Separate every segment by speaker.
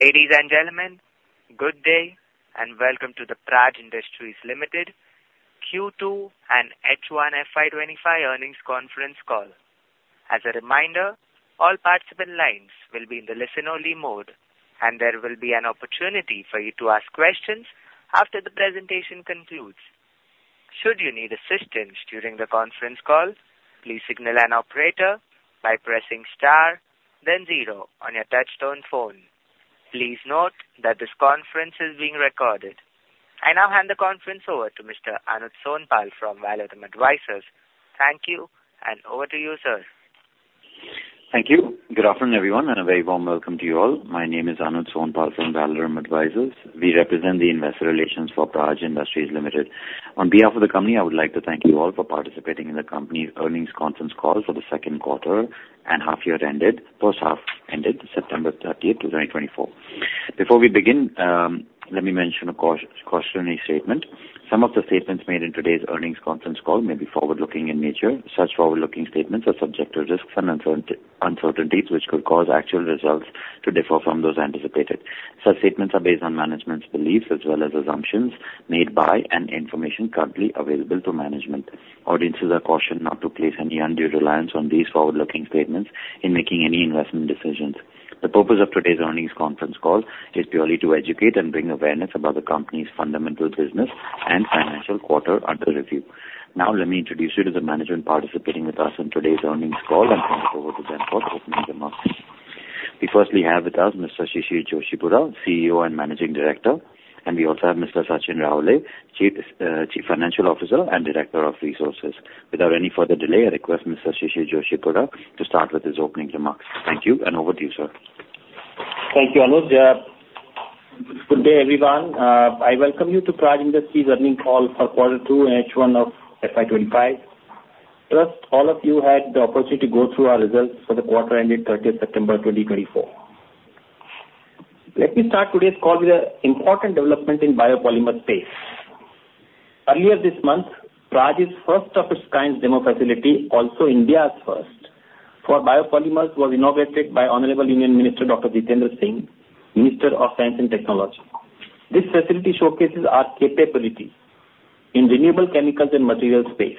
Speaker 1: Ladies and gentlemen, good day, and welcome to the Praj Industries Limited Q2 and H1 FY 2025 earnings conference call. As a reminder, all participant lines will be in the listen-only mode, and there will be an opportunity for you to ask questions after the presentation concludes. Should you need assistance during the conference call, please signal an operator by pressing star then zero on your touchtone phone. Please note that this conference is being recorded. I now hand the conference over to Mr. Anuj Sonpal from Valorum Advisors. Thank you, and over to you, sir.
Speaker 2: Thank you. Good afternoon, everyone, and a very warm welcome to you all. My name is Anuj Sonpal from Valorum Advisors. We represent the investor relations for Praj Industries Limited. On behalf of the company, I would like to thank you all for participating in the company's earnings conference call for the second quarter and half year ended, first half ended September 30th, 2024. Before we begin, let me mention a cautionary statement. Some of the statements made in today's earnings conference call may be forward-looking in nature. Such forward-looking statements are subject to risks and uncertainties, which could cause actual results to differ from those anticipated. Such statements are based on management's beliefs as well as assumptions made by and information currently available to management. Audiences are cautioned not to place any undue reliance on these forward-looking statements in making any investment decisions. The purpose of today's earnings conference call is purely to educate and bring awareness about the company's fundamental business and financial quarter under review. Now, let me introduce you to the management participating with us in today's earnings call and hand it over to them for opening remarks. We firstly have with us Mr. Shishir Joshipura, CEO and Managing Director, and we also have Mr. Sachin Raole, Chief Financial Officer and Director of Resources. Without any further delay, I request Mr. Shishir Joshipura to start with his opening remarks. Thank you, and over to you, sir.
Speaker 3: Thank you, Anuj. Good day, everyone. I welcome you to Praj Industries earnings call for quarter two and H1 of FY 2025. First, all of you had the opportunity to go through our results for the quarter ended 30th September, 2024. Let me start today's call with an important development in biopolymer space. Earlier this month, Praj's first of its kind demo facility, also India's first, for biopolymers, was inaugurated by Honorable Union Minister Dr. Jitendra Singh, Minister of Science and Technology. This facility showcases our capability in renewable chemicals and materials space.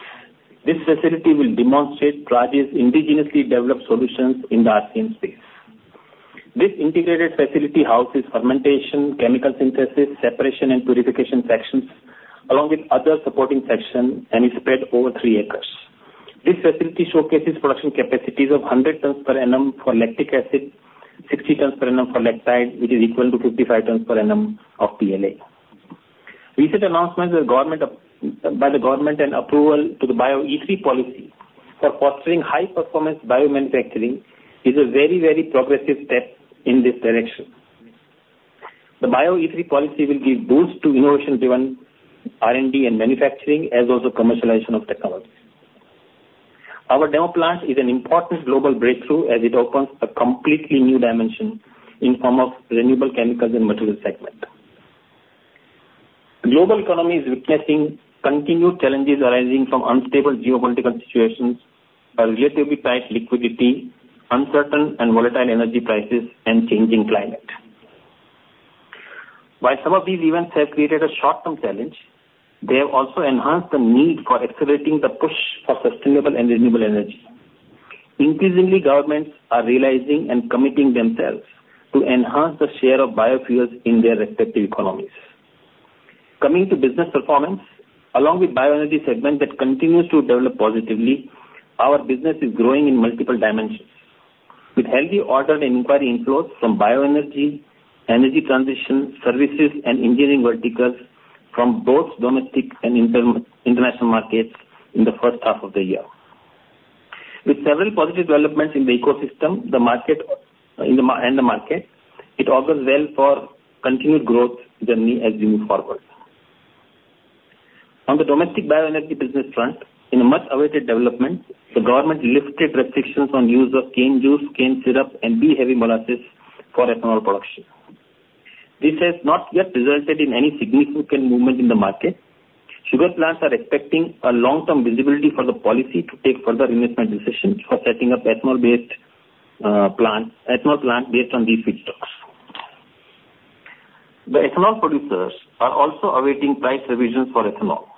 Speaker 3: This facility will demonstrate Praj's indigenously developed solutions in the RCM space. This integrated facility houses fermentation, chemical synthesis, separation, and purification sections along with other supporting sections, and is spread over three acres. This facility showcases production capacities of 100 tons per annum for lactic acid, 60 tons per annum for lactide, which is equal to 55 tons per annum of PLA. Recent announcement by the government and approval to the BioE3 policy for fostering high-performance biomanufacturing is a very, very progressive step in this direction. The BioE3 policy will give boost to innovation-driven R&D and manufacturing, as well as the commercialization of technology. Our demo plant is an important global breakthrough as it opens a completely new dimension in form of renewable chemicals and materials segment. Global economy is witnessing continued challenges arising from unstable geopolitical situations, a relatively tight liquidity, uncertain and volatile energy prices, and changing climate. While some of these events have created a short-term challenge, they have also enhanced the need for accelerating the push for sustainable and renewable energy. Increasingly, governments are realizing and committing themselves to enhance the share of biofuels in their respective economies. Coming to business performance, along with bioenergy segment that continues to develop positively, our business is growing in multiple dimensions, with healthy order and inquiry inflows from bioenergy, energy transition, services, and engineering verticals from both domestic and international markets in the first half of the year. With several positive developments in the ecosystem, the market, and the market, it augurs well for continued growth journey as we move forward. On the domestic bioenergy business front, in a much-awaited development, the government lifted restrictions on use of cane juice, cane syrup and B-heavy molasses for ethanol production. This has not yet resulted in any significant movement in the market. Sugar plants are expecting a long-term visibility for the policy to take further investment decisions for setting up ethanol-based, plant, ethanol plant based on these feedstocks. The ethanol producers are also awaiting price revisions for ethanol.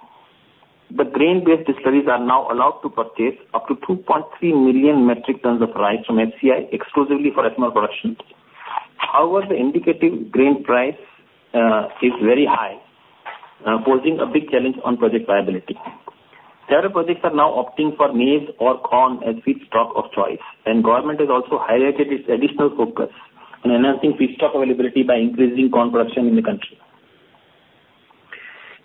Speaker 3: The grain-based distilleries are now allowed to purchase up to 2.3 million metric tons of rice from FCI, exclusively for ethanol production. However, the indicative grain price is very high, posing a big challenge on project viability. Several projects are now opting for maize or corn as feedstock of choice, and government has also highlighted its additional focus on enhancing feedstock availability by increasing corn production in the country.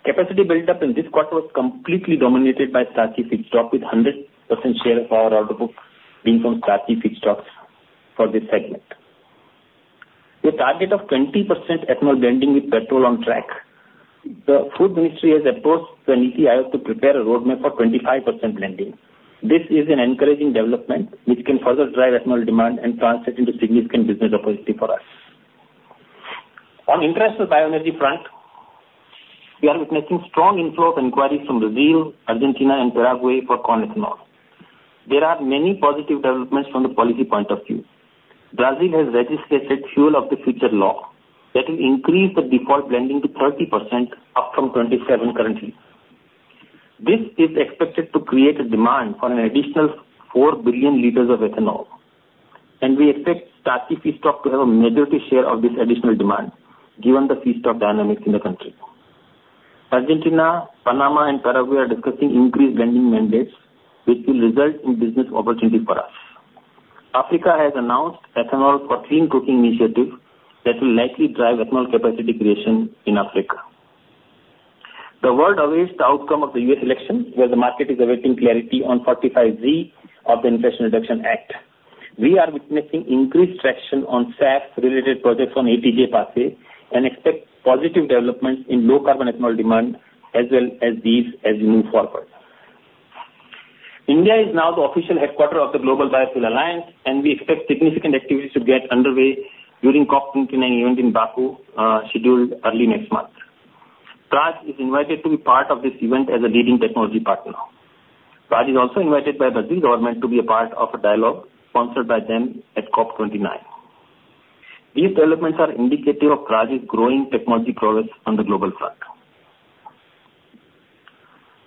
Speaker 3: Capacity built up in this quarter was completely dominated by starchy feedstock, with 100% share of our order book being from starchy feedstocks for this segment. With target of 20% ethanol blending with petrol on track, the food ministry has approached the NITI Aayog to prepare a roadmap for 25% blending. This is an encouraging development, which can further drive ethanol demand and translate into significant business opportunity for us. On international bioenergy front. We are witnessing strong inflow of inquiries from Brazil, Argentina, and Paraguay for corn ethanol. There are many positive developments from the policy point of view. Brazil has registered Fuel of the Future law that will increase the default blending to 30%, up from 27% currently. This is expected to create a demand for an additional 4 billion liters of ethanol, and we expect starchy feedstock to have a majority share of this additional demand, given the feedstock dynamics in the country. Argentina, Panama, and Paraguay are discussing increased blending mandates, which will result in business opportunity for us. Africa has announced ethanol for clean cooking initiative that will likely drive ethanol capacity creation in Africa. The world awaits the outcome of the U.S. election, where the market is awaiting clarity on 45Z of the Inflation Reduction Act. We are witnessing increased traction on SAF related projects on ATJ pathway, and expect positive developments in low carbon ethanol demand as well as these as we move forward. India is now the official headquarters of the Global Biofuel Alliance, and we expect significant activities to get underway during COP 29 event in Baku, scheduled early next month. Praj is invited to be part of this event as a leading technology partner. Praj is also invited by the Brazil government to be a part of a dialogue sponsored by them at COP 29. These developments are indicative of Praj's growing technology prowess on the global front.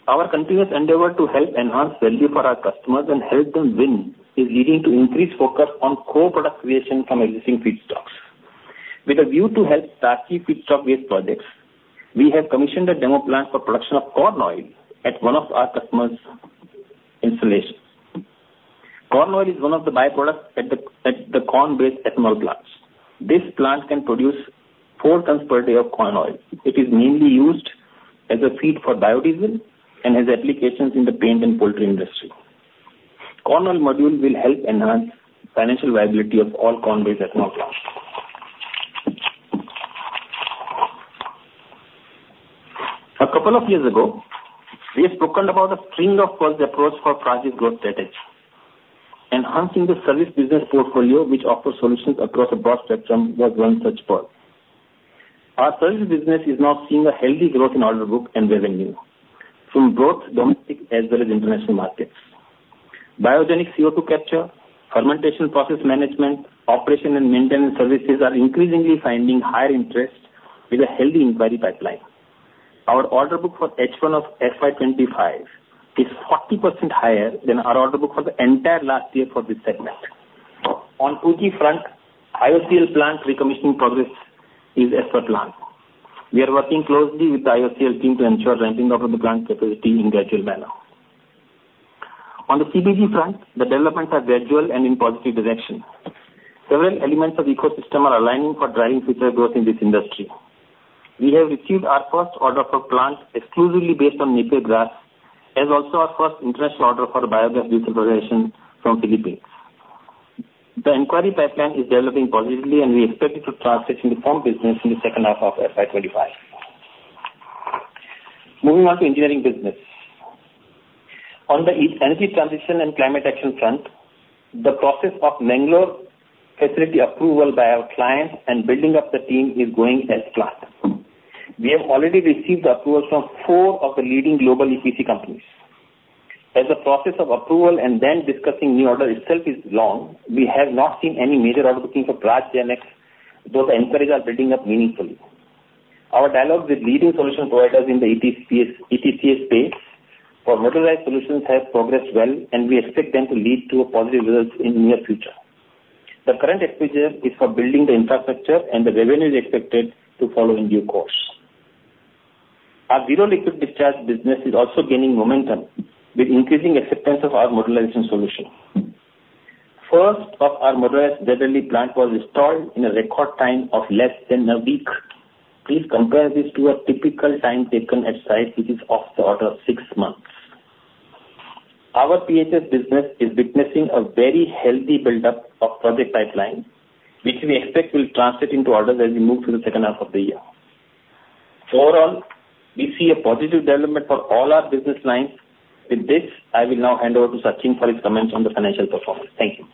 Speaker 3: Our continuous endeavor to help enhance value for our customers and help them win, is leading to increased focus on co-product creation from existing feedstocks. With a view to help starchy feedstock-based projects, we have commissioned a demo plant for production of corn oil at one of our customer's installations. Corn oil is one of the byproducts at the corn-based ethanol plants. This plant can produce four tons per day of corn oil. It is mainly used as a feed for biodiesel and has applications in the paint and poultry industry. Corn oil module will help enhance financial viability of all corn-based ethanol plants. A couple of years ago, we have spoken about a string-of-pearls approach for Praj's growth strategy, enhancing the service business portfolio, which offers solutions across a broad spectrum of one such pearl. Our services business is now seeing a healthy growth in order book and revenue from both domestic as well as international markets. Biogenic CO2 capture, fermentation process management, operation and maintenance services are increasingly finding higher interest with a healthy inquiry pipeline. Our order book for H1 of FY 2025 is 40% higher than our order book for the entire last year for this segment. On 2G front, IOCL plant recommissioning progress is as per plan. We are working closely with the IOCL team to ensure ramping up of the plant capacity in gradual manner. On the CBG front, the developments are gradual and in positive direction. Several elements of ecosystem are aligning for driving future growth in this industry. We have received our first order for plant exclusively based on Napier grass, as also our first international order for biogas utilization from Philippines. The inquiry pipeline is developing positively, and we expect it to translate into firm business in the second half of FY 2025. Moving on to engineering business. On the energy transition and climate action front, the process of Bengaluru facility approval by our clients and building up the team is going as planned. We have already received the approvals from four of the leading global EPC companies. As the process of approval and then discussing new order itself is long, we have not seen any major order booking for Praj GenX, though the inquiries are building up meaningfully. Our dialogues with leading solution providers in the ATPS- ETPS space for modularized solutions have progressed well, and we expect them to lead to a positive results in near future. The current expenditure is for building the infrastructure, and the revenue is expected to follow in due course. Our Zero Liquid Discharge business is also gaining momentum with increasing acceptance of our modularization solution. First of our modularized ZLD plant was installed in a record time of less than a week. Please compare this to a typical time taken at site, which is of the order of six months. Our PHS business is witnessing a very healthy buildup of project pipeline, which we expect will translate into orders as we move to the second half of the year. Overall, we see a positive development for all our business lines. With this, I will now hand over to Sachin for his comments on the financial performance. Thank you.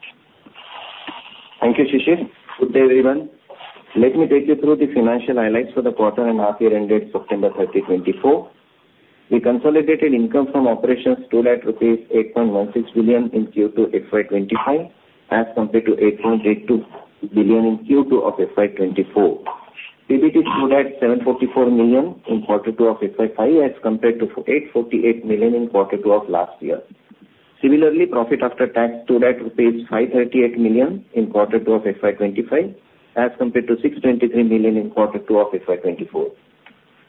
Speaker 4: Thank you, Shishir. Good day, everyone. Let me take you through the financial highlights for the quarter and half year ended September 30, 2024. The consolidated income from operations stood at rupees 8.16 billion in Q2 FY 2025, as compared to 8.82 billion in Q2 of FY 2024. PBT stood at 744 million in quarter two of FY 2025, as compared to 848 million in quarter two of last year. Similarly, profit after tax stood at 538 million in quarter two of FY 2025, as compared to 623 million in quarter two of FY 2024.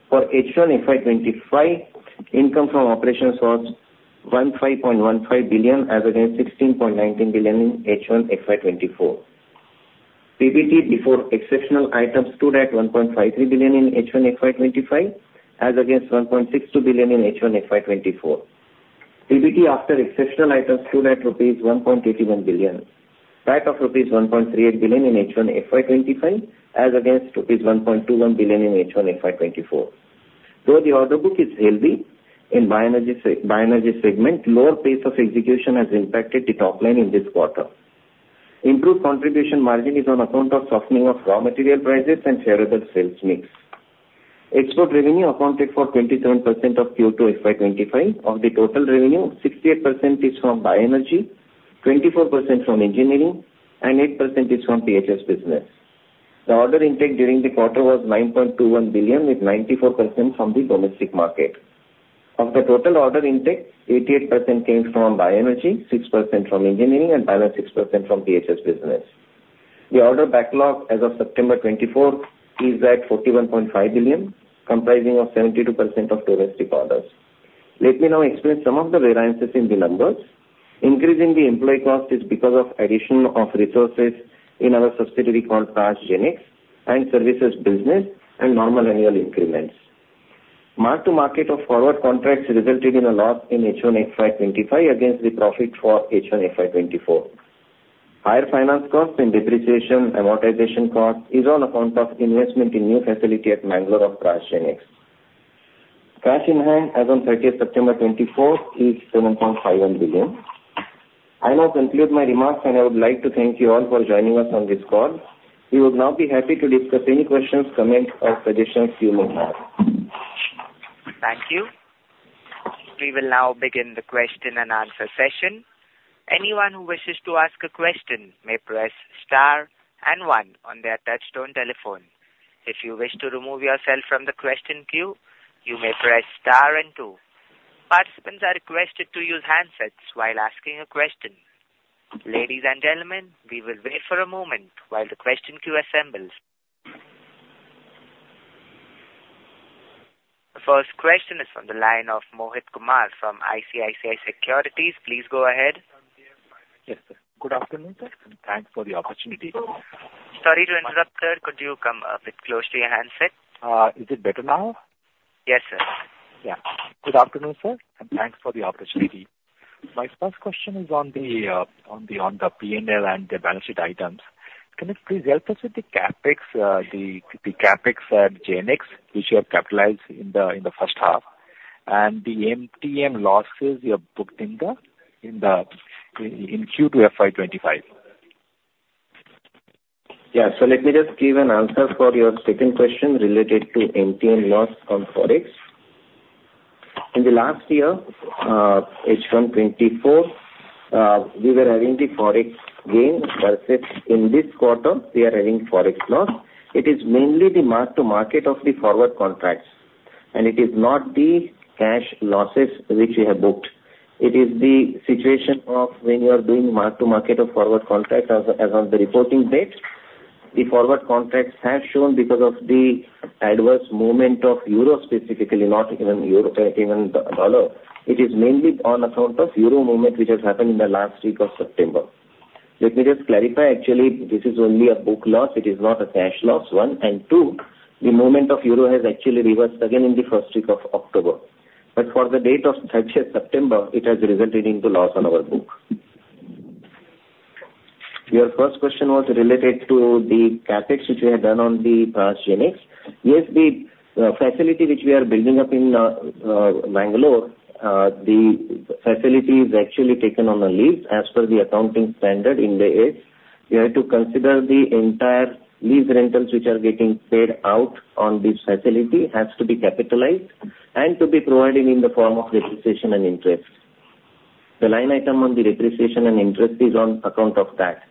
Speaker 4: For H1 FY 2025, income from operations was 15.15 billion, as against 16.19 billion in H1 FY 2024. PBT, before exceptional items, stood at 1.53 billion in H1 FY 2025, as against 1.62 billion in H1 FY 2024. PBT after exceptional items stood at rupees 1.81 billion. PAT of rupees 1.38 billion in H1 FY 2025, as against rupees 1.21 billion in H1 FY 2024. Though the order book is healthy in bioenergy segment, lower pace of execution has impacted the top line in this quarter. Improved contribution margin is on account of softening of raw material prices and favorable sales mix. Export revenue accounted for 27% of Q2 FY 2025. Of the total revenue, 68% is from bioenergy, 24% from engineering, and 8% is from PHS business. The order intake during the quarter was 9.21 billion, with 94% from the domestic market. Of the total order intake, 88% came from bioenergy, 6% from engineering, and final 6% from PHS business. The order backlog as of September 24, 2024, is 41.5 billion, comprising of 72% of domestic orders. Let me now explain some of the variances in the numbers. Increase in the employee cost is because of addition of resources in our subsidiary called Praj GenX and services business and normal annual increments. Mark to market of forward contracts resulted in a loss in H1 FY 2025 against the profit for H1 FY 2024. Higher finance costs and depreciation, amortization cost is on account of investment in new facility at Bengaluru of Praj GenX. Cash in hand as on September 30, 2024, is 7.51 billion. I now conclude my remarks, and I would like to thank you all for joining us on this call. We would now be happy to discuss any questions, comments, or suggestions you may have.
Speaker 1: Thank you. We will now begin the question and answer session. Anyone who wishes to ask a question may press star and one on their touchtone telephone. If you wish to remove yourself from the question queue, you may press star and two. Participants are requested to use handsets while asking a question. Ladies and gentlemen, we will wait for a moment while the question queue assembles. The first question is from the line of Mohit Kumar from ICICI Securities. Please go ahead.
Speaker 5: Yes, sir. Good afternoon, sir, and thanks for the opportunity.
Speaker 1: Sorry to interrupt, sir. Could you come a bit close to your handset?
Speaker 5: Is it better now?
Speaker 1: Yes, sir.
Speaker 5: Yeah. Good afternoon, sir, and thanks for the opportunity. My first question is on the PNL and the balance sheet items. Can you please help us with the CapEx at GenX, which you have capitalized in the first half, and the MTM losses you have booked in Q2 FY 2025?
Speaker 3: Yeah. So let me just give an answer for your second question related to MTM loss on Forex. In the last year, H1 2024, we were having the Forex gain, versus in this quarter, we are having Forex loss. It is mainly the mark to market of the forward contracts, and it is not the cash losses which we have booked. It is the situation of when you are doing mark to market of forward contracts as on the reporting date. The forward contracts have shown because of the adverse movement of Euro specifically, not even Euro, even the dollar. It is mainly on account of Euro movement, which has happened in the last week of September. Let me just clarify, actually, this is only a book loss, it is not a cash loss, one. Two, the movement of the euro has actually reversed again in the first week of October. But for the date as of September, it has resulted into loss on our books. Your first question was related to the CapEx, which we have done on the Praj GenX. Yes, the facility which we are building up in Bengaluru, the facility is actually taken on a lease. As per the accounting standard in the lease, we have to consider the entire lease rentals, which are getting paid out on this facility, has to be capitalized and to be provided in the form of depreciation and interest. The line item on the depreciation and interest is on account of that.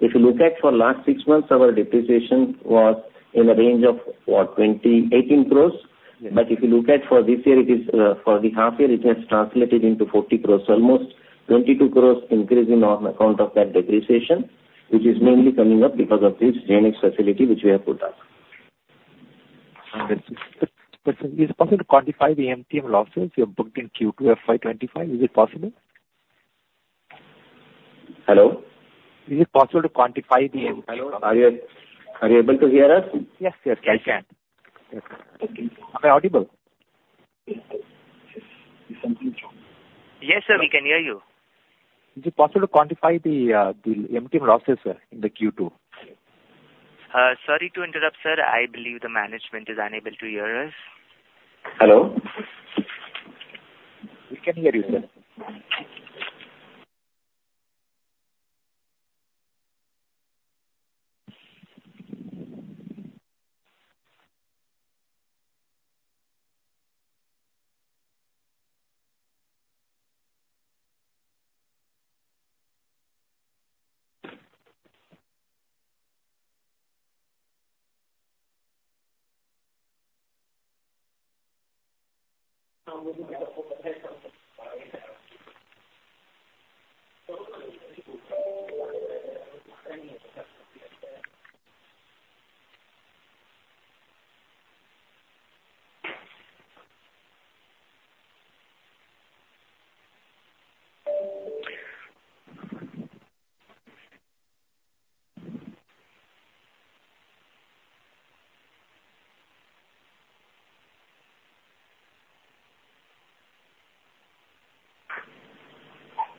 Speaker 3: If you look at the last six months, our depreciation was in the range of, what? 18-20 crores. But if you look at for this year, it is for the half year, it has translated into 40 crores. Almost 22 crores increase in on account of that depreciation, which is mainly coming up because of this GenX facility, which we have put up.
Speaker 5: Is it possible to quantify the MTM losses you have booked in Q2 FY 2025? Is it possible?
Speaker 3: Hello?
Speaker 5: Is it possible to quantify the-
Speaker 3: Hello. Are you able to hear us?
Speaker 5: Yes, yes, I can.
Speaker 3: Okay.
Speaker 5: Am I audible?
Speaker 3: Yes.
Speaker 1: Yes, sir, we can hear you.
Speaker 5: Is it possible to quantify the MTM losses, sir, in the Q2?
Speaker 1: Sorry to interrupt, sir. I believe the management is unable to hear us.
Speaker 3: Hello?
Speaker 5: We can hear you, sir.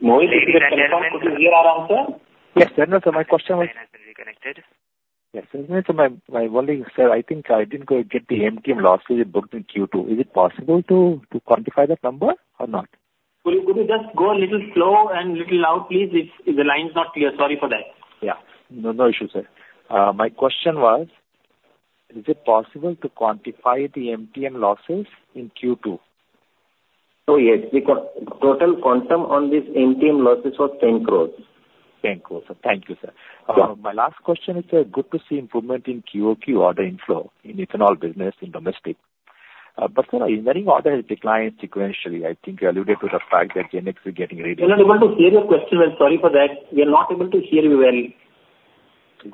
Speaker 3: Mohit, did you hear our answer?
Speaker 5: Yes. My question was-
Speaker 1: Connected.
Speaker 5: Yes, so my only, sir, I think I didn't go get the MTM losses you booked in Q2. Is it possible to quantify that number or not?...
Speaker 3: Could you just go a little slow and a little loud, please? If the line's not clear. Sorry for that.
Speaker 5: Yeah. No, no issue, sir. My question was: Is it possible to quantify the MTM losses in Q2?
Speaker 3: Oh, yes. The total quantum on this MTM losses was INR 10 crores.
Speaker 5: 10 crores. Thank you, sir.
Speaker 3: Yeah.
Speaker 5: My last question is, good to see improvement in QOQ order inflow in ethanol business in domestic. But sir, engineering order has declined sequentially. I think you alluded to the fact that GenX is getting ready.
Speaker 3: We're not able to hear your question well. Sorry for that. We are not able to hear you well.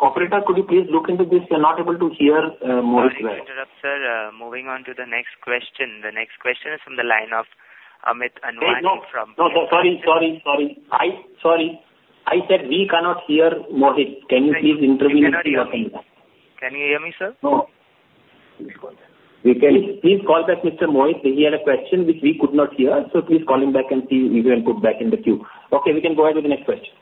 Speaker 5: Operator, could you please look into this? We are not able to hear Mohit well.
Speaker 1: Sorry to interrupt, sir. Moving on to the next question. The next question is from the line of Amit Anwani from-
Speaker 3: Hey, no! No, sir, sorry. I said we cannot hear Mohit. Can you please intervene?
Speaker 4: We cannot hear him. Can you hear me, sir?
Speaker 3: No. Please call back Mr. Mohit. He had a question which we could not hear, so please call him back and see if you can put back in the queue. Okay, we can go ahead with the next question.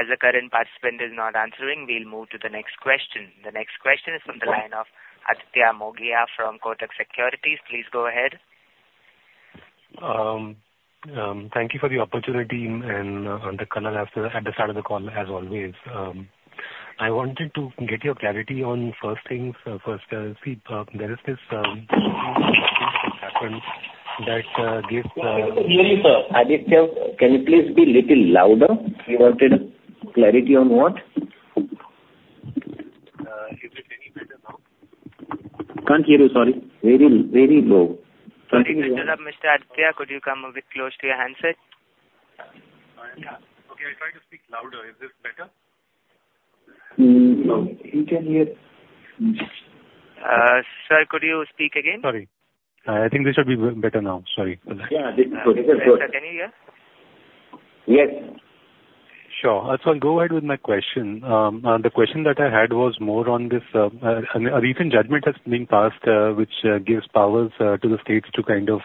Speaker 1: As the current participant is not answering, we'll move to the next question. The next question-
Speaker 3: Okay.
Speaker 1: Is from the line of Aditya Mongia from Kotak Securities. Please go ahead.
Speaker 6: Thank you for the opportunity, and Shishir, as at the start of the call, as always. I wanted to get your clarity on first things first. See, there is this that gives-
Speaker 3: hear you, sir. Aditya, can you please be a little louder? You wanted clarity on what?
Speaker 6: Is it any better now?
Speaker 3: Can't hear you, sorry. Very, very low.
Speaker 1: Sorry to interrupt, Mr. Aditya, could you come a bit close to your handset?
Speaker 6: Yeah. Okay, I'll try to speak louder. Is this better?
Speaker 3: Mm, no, we can hear...
Speaker 1: Sir, could you speak again?
Speaker 6: Sorry. I think this should be better now. Sorry.
Speaker 3: Yeah, this is good. This is good.
Speaker 1: Sir, can you hear?
Speaker 3: Yes.
Speaker 6: Sure. So I'll go ahead with my question. The question that I had was more on this, a recent judgment that's been passed, which gives powers to the states to kind of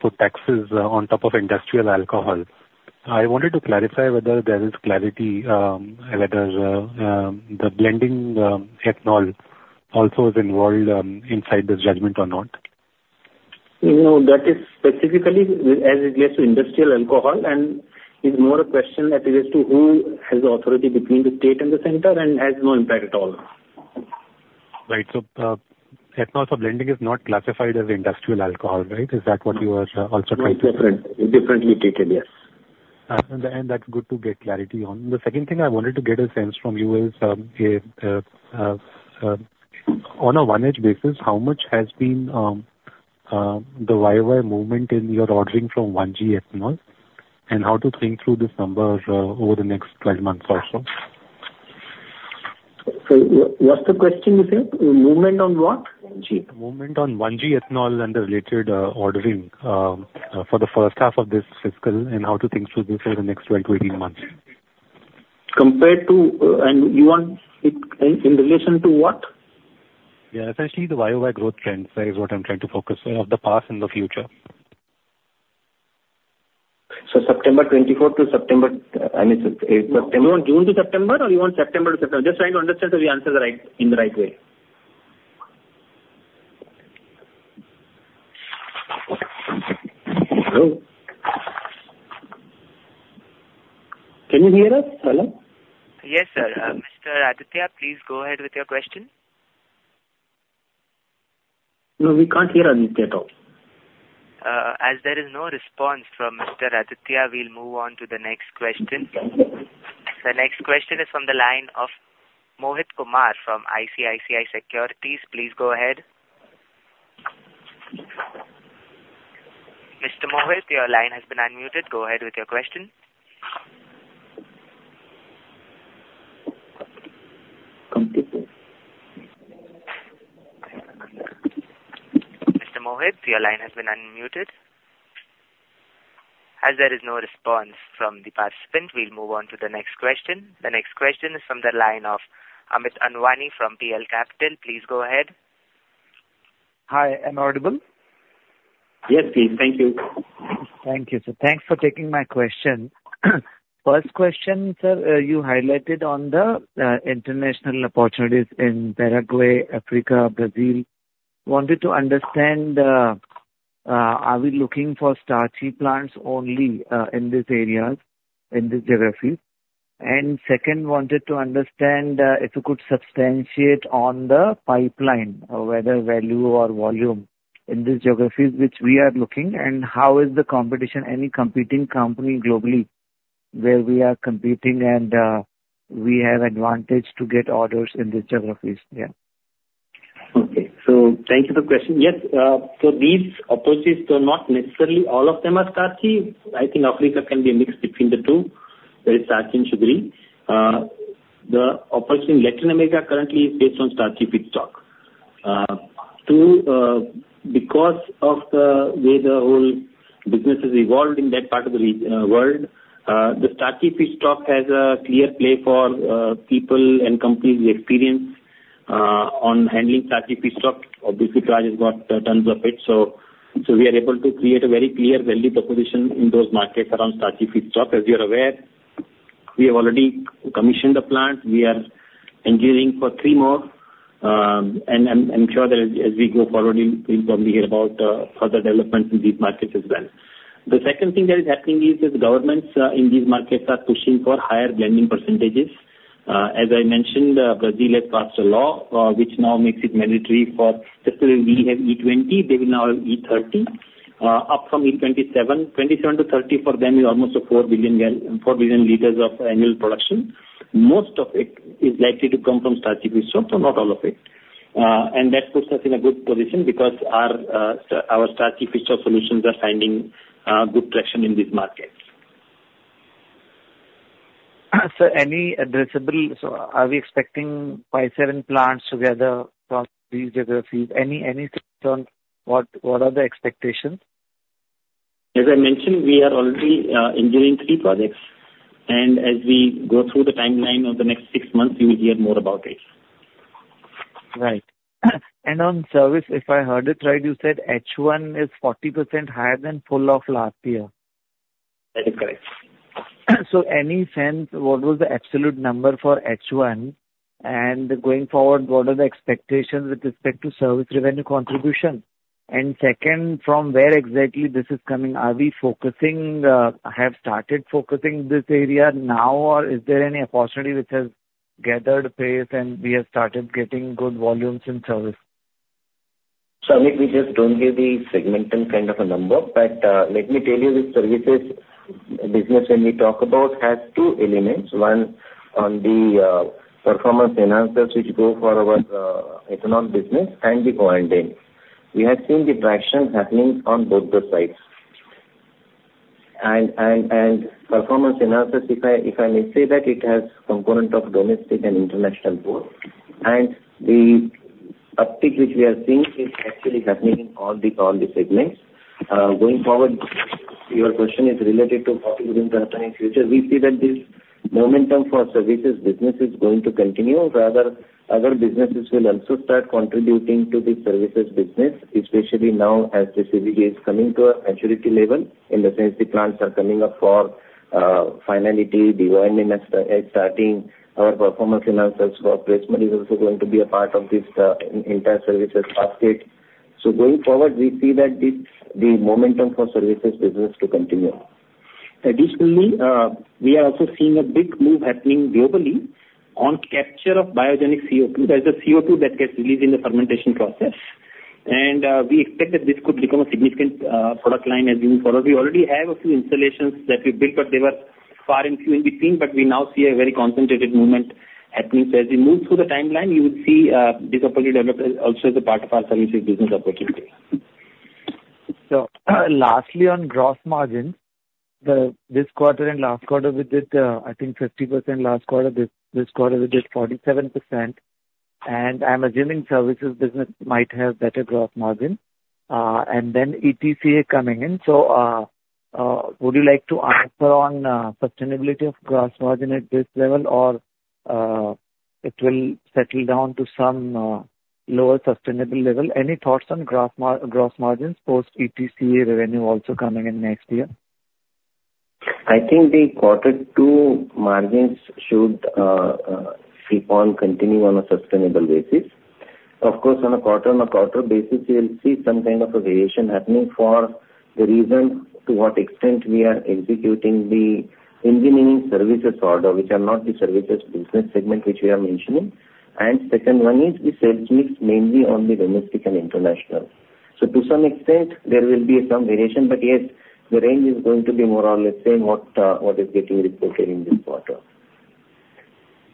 Speaker 6: put taxes on top of industrial alcohol. I wanted to clarify whether there is clarity whether the blending ethanol also is involved inside this judgment or not?
Speaker 3: No, that is specifically as it relates to industrial alcohol, and it's more a question as it is to who has the authority between the state and the center, and has no impact at all.
Speaker 6: Right. So, ethanol for blending is not classified as industrial alcohol, right? Is that what you are also trying to-
Speaker 3: It's different. Differently taken, yes.
Speaker 6: That's good to get clarity on. The second thing I wanted to get a sense from you is, on a YoY basis, how much has been the YoY movement in your ordering from 1G ethanol, and how to think through these numbers over the next twelve months or so?
Speaker 3: So, what's the question, you said? Movement on what?
Speaker 6: Movement on 1G ethanol and the related ordering for the first half of this fiscal, and how to think through this for the next 12-18 months?
Speaker 3: Compared to, and you want it in relation to what?
Speaker 6: Yeah, essentially, the YY growth trend, sir, is what I'm trying to focus of the past and the future.
Speaker 3: September 24th to September-
Speaker 1: You want June to September or you want September to September? Just trying to understand, so we answer the right, in the right way.
Speaker 3: Hello? Can you hear us? Hello.
Speaker 1: Yes, sir. Mr. Aditya, please go ahead with your question.
Speaker 3: No, we can't hear Aditya at all.
Speaker 1: As there is no response from Mr. Aditya, we'll move on to the next question.
Speaker 3: Thank you.
Speaker 1: The next question is from the line of Mohit Kumar from ICICI Securities. Please go ahead. Mr. Mohit, your line has been unmuted. Go ahead with your question. Mr. Mohit, your line has been unmuted. As there is no response from the participant, we'll move on to the next question. The next question is from the line of Amit Anwani from PL Capital. Please go ahead.
Speaker 7: Hi, am I audible?
Speaker 3: Yes, please. Thank you.
Speaker 7: Thank you, sir. Thanks for taking my question. First question, sir, you highlighted on the international opportunities in Paraguay, Africa, Brazil. Wanted to understand, are we looking for starchy plants only in these areas, in these geographies? And second, wanted to understand, if you could substantiate on the pipeline, whether value or volume in these geographies which we are looking, and how is the competition, any competing company globally, where we are competing and we have advantage to get orders in these geographies? Yeah.
Speaker 3: Okay. So thank you for the question. Yes, so these opportunities are not necessarily all of them are starchy. I think Africa can be a mix between the two, very starchy and sugary. The opportunity in Latin America currently is based on starchy feedstock. Too, because of the way the whole business has evolved in that part of the world, the starchy feedstock has a clear play for people and companies with experience on handling starchy feedstock. Obviously, Raj has got tons of it, so we are able to create a very clear value proposition in those markets around starchy feedstock. As you're aware, we have already commissioned the plant. We are engineering for three more. And I'm sure that as we go forward, you'll probably hear about further developments in these markets as well. The second thing that is happening is that the governments in these markets are pushing for higher blending percentages. As I mentioned, Brazil has passed a law, which now makes it mandatory for, just as we have E-20, they will now have E-30, up from E-27. 27 to 30 for them is almost a 4 billion liters of annual production. Most of it is likely to come from starchy wheat, so not all of it. And that puts us in a good position because our starchy wheat solutions are finding good traction in these markets.
Speaker 7: Sir, any addressable. So are we expecting five, seven plants together from these geographies? Any thoughts on what are the expectations?
Speaker 3: As I mentioned, we are already engineering three projects, and as we go through the timeline of the next six months, you will hear more about it.
Speaker 7: Right. And on service, if I heard it right, you said H1 is 40% higher than H2 of last year.
Speaker 3: That is correct.
Speaker 7: Any sense what was the absolute number for H-one? And going forward, what are the expectations with respect to service revenue contribution? Second, from where exactly this is coming, are we focusing, have started focusing this area now, or is there any opportunity which has gathered pace and we have started getting good volumes in service?
Speaker 3: So, Amit, we just don't give the segmental kind of a number, but let me tell you, the services business, when we talk about, has two elements: One, on the performance enhancers, which go for our ethanol business and the cogeneration. We have seen the traction happening on both the sides. And performance enhancers, if I may say that, it has component of domestic and international both. And the uptick which we are seeing is actually happening in all the segments. Going forward, your question is related to what we in the future. We see that this momentum for services business is going to continue. Rather, other businesses will also start contributing to the services business, especially now as the CBG is coming to a maturity level, in the sense the plants are coming up for finality. This is starting, our performance enhancers for placement is also going to be a part of this, entire services basket. So going forward, we see that this, the momentum for services business to continue. Additionally, we are also seeing a big move happening globally on capture of biogenic CO2. There's a CO2 that gets released in the fermentation process, and, we expect that this could become a significant, product line as we move forward. We already have a few installations that we built, but they were far and few in between, but we now see a very concentrated movement happening. So as we move through the timeline, you will see, this opportunity develop as, also as a part of our services business opportunity.
Speaker 7: So lastly, on gross margin. This quarter and last quarter, we did, I think 50% last quarter. This quarter, we did 47%, and I'm assuming services business might have better gross margin, and then ETCA coming in. So, would you like to answer on sustainability of gross margin at this level, or it will settle down to some lower sustainable level? Any thoughts on gross margins post-ETCA revenue also coming in next year?
Speaker 3: I think the quarter two margins should keep on continuing on a sustainable basis. Of course, on a quarter-on-quarter basis, you'll see some kind of a variation happening for the reason to what extent we are executing the engineering services order, which are not the services business segment, which we are mentioning. Second one is the sales mix, mainly on the domestic and international. So to some extent, there will be some variation, but yes, the range is going to be more or less same what is getting reported in this quarter.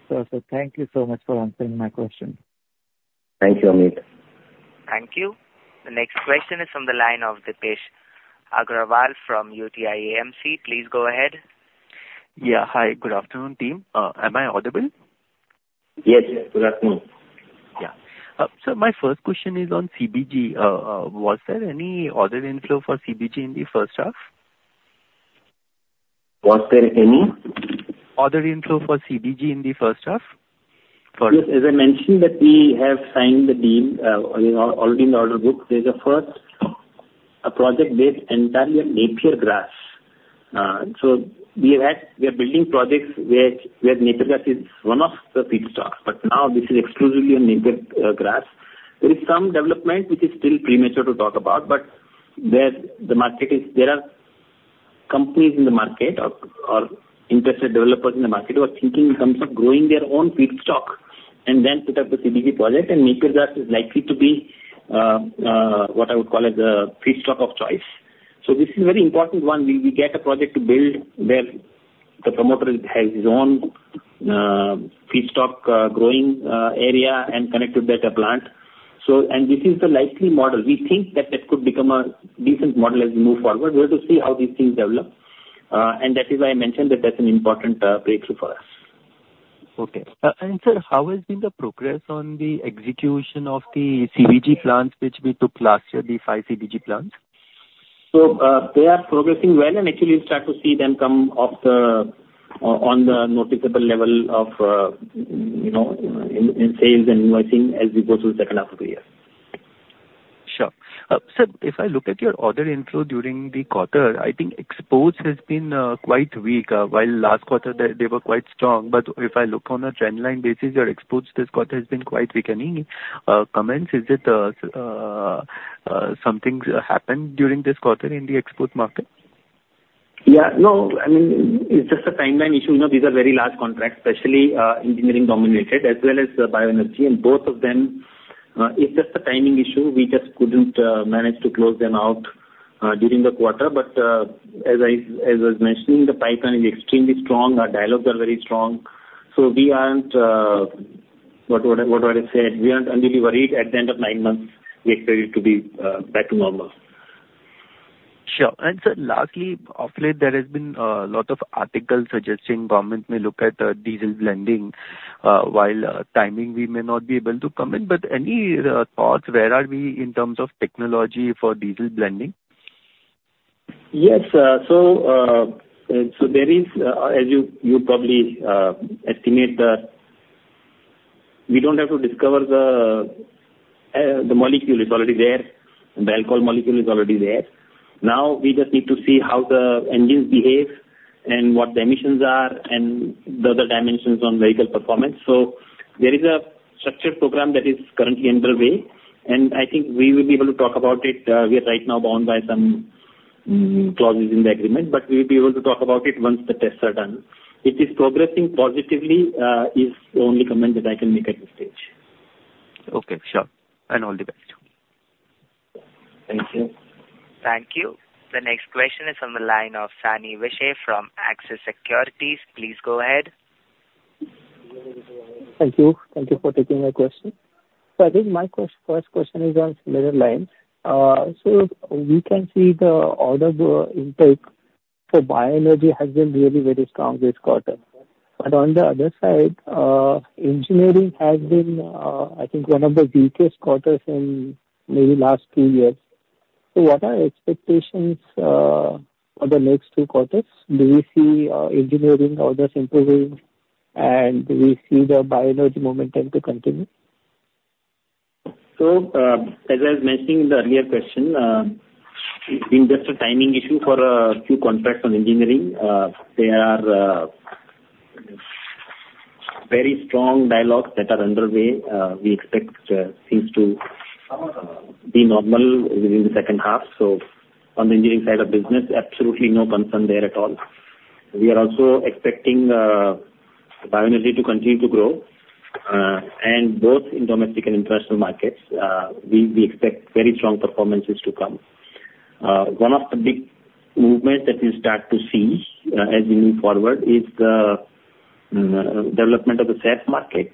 Speaker 7: So, sir, thank you so much for answering my question.
Speaker 3: Thank you, Amit.
Speaker 1: Thank you. The next question is from the line of Dipesh Agrawal from UTI AMC. Please go ahead.
Speaker 8: Yeah. Hi, good afternoon, team. Am I audible?
Speaker 3: Yes. Good afternoon.
Speaker 8: Yeah. So my first question is on CBG. Was there any order inflow for CBG in the first half?
Speaker 3: Was there any?
Speaker 8: Order inflow for CBG in the first half?
Speaker 3: Yes, as I mentioned, that we have signed the deal already in the order book. There is a first project based entirely on Napier grass. So we are building projects where Napier grass is one of the feedstocks, but now this is exclusively on Napier grass. There is some development which is still premature to talk about. There are companies in the market or interested developers in the market who are thinking in terms of growing their own feedstock and then set up the CBG project, and Napier grass is likely to be what I would call as a feedstock of choice. So this is very important one. We get a project to build where the promoter has his own feedstock growing area and connected to a biogas plant. So... This is the likely model. We think that that could become a decent model as we move forward. We have to see how these things develop, and that is why I mentioned that that's an important breakthrough for us.
Speaker 8: Okay. And sir, how has been the progress on the execution of the CBG plants, which we took last year, the five CBG plants?
Speaker 3: They are progressing well, and actually you'll start to see them come onto the noticeable level of, you know, in sales and invoicing as we go through the second half of the year. ...
Speaker 8: Sure. So if I look at your order info during the quarter, I think exports has been quite weak, while last quarter they were quite strong. But if I look on a trend line basis, your exports this quarter has been quite weakening. Comments, is it something's happened during this quarter in the export market?
Speaker 3: Yeah, no. I mean, it's just a timeline issue. You know, these are very large contracts, especially, engineering dominated, as well as the bioenergy, and both of them, it's just a timing issue. We just couldn't manage to close them out during the quarter. But, as I was mentioning, the pipeline is extremely strong, our dialogues are very strong, so we aren't... What, what would I say? We aren't really worried. At the end of nine months, we expect it to be back to normal.
Speaker 8: Sure. And sir, lastly, of late, there has been a lot of articles suggesting government may look at diesel blending, while timing we may not be able to comment, but any thoughts, where are we in terms of technology for diesel blending?
Speaker 3: Yes. So there is, as you probably estimate. We don't have to discover the molecule, it's already there, the alcohol molecule is already there. Now we just need to see how the engines behave and what the emissions are, and the other dimensions on vehicle performance, so there is a structured program that is currently underway, and I think we will be able to talk about it. We are right now bound by some clauses in the agreement, but we will be able to talk about it once the tests are done. It is progressing positively, is the only comment that I can make at this stage.
Speaker 8: Okay, sure. And all the best.
Speaker 3: Thank you.
Speaker 1: Thank you. The next question is on the line of Sunny Bhadra from Axis Securities. Please go ahead.
Speaker 9: Thank you. Thank you for taking my question. So I think my first question is on similar lines. So we can see the order intake for bioenergy has been really very strong this quarter, but on the other side, engineering has been, I think one of the weakest quarters in maybe last two years. So what are your expectations for the next two quarters? Do you see engineering orders improving, and do we see the bioenergy momentum to continue?
Speaker 3: As I was mentioning in the earlier question, it's been just a timing issue for two contracts on engineering. There are very strong dialogues that are underway. We expect things to be normal within the second half, so on the engineering side of the business, absolutely no concern there at all. We are also expecting bioenergy to continue to grow, and both in domestic and international markets, we expect very strong performances to come. One of the big movements that we start to see, as we move forward, is the development of the SAF market,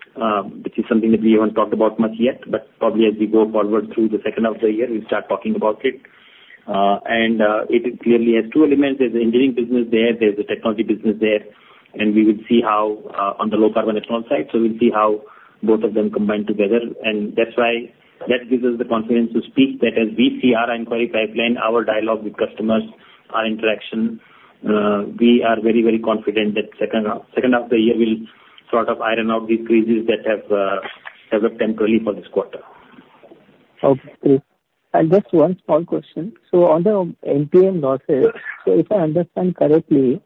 Speaker 3: which is something that we haven't talked about much yet, but probably as we go forward through the second half of the year, we'll start talking about it. It clearly has two elements. There's the engineering business there, there's the technology business there, and we will see how, on the low carbon and SAF side, so we'll see how both of them combine together, and that's why that gives us the confidence to speak. That, as we see our inquiry pipeline, our dialogue with customers, our interaction, we are very, very confident that second half, second half of the year will sort of iron out the creases that have developed temporarily for this quarter.
Speaker 9: Okay. And just one small question. So on the MTM losses, so if I understand correctly,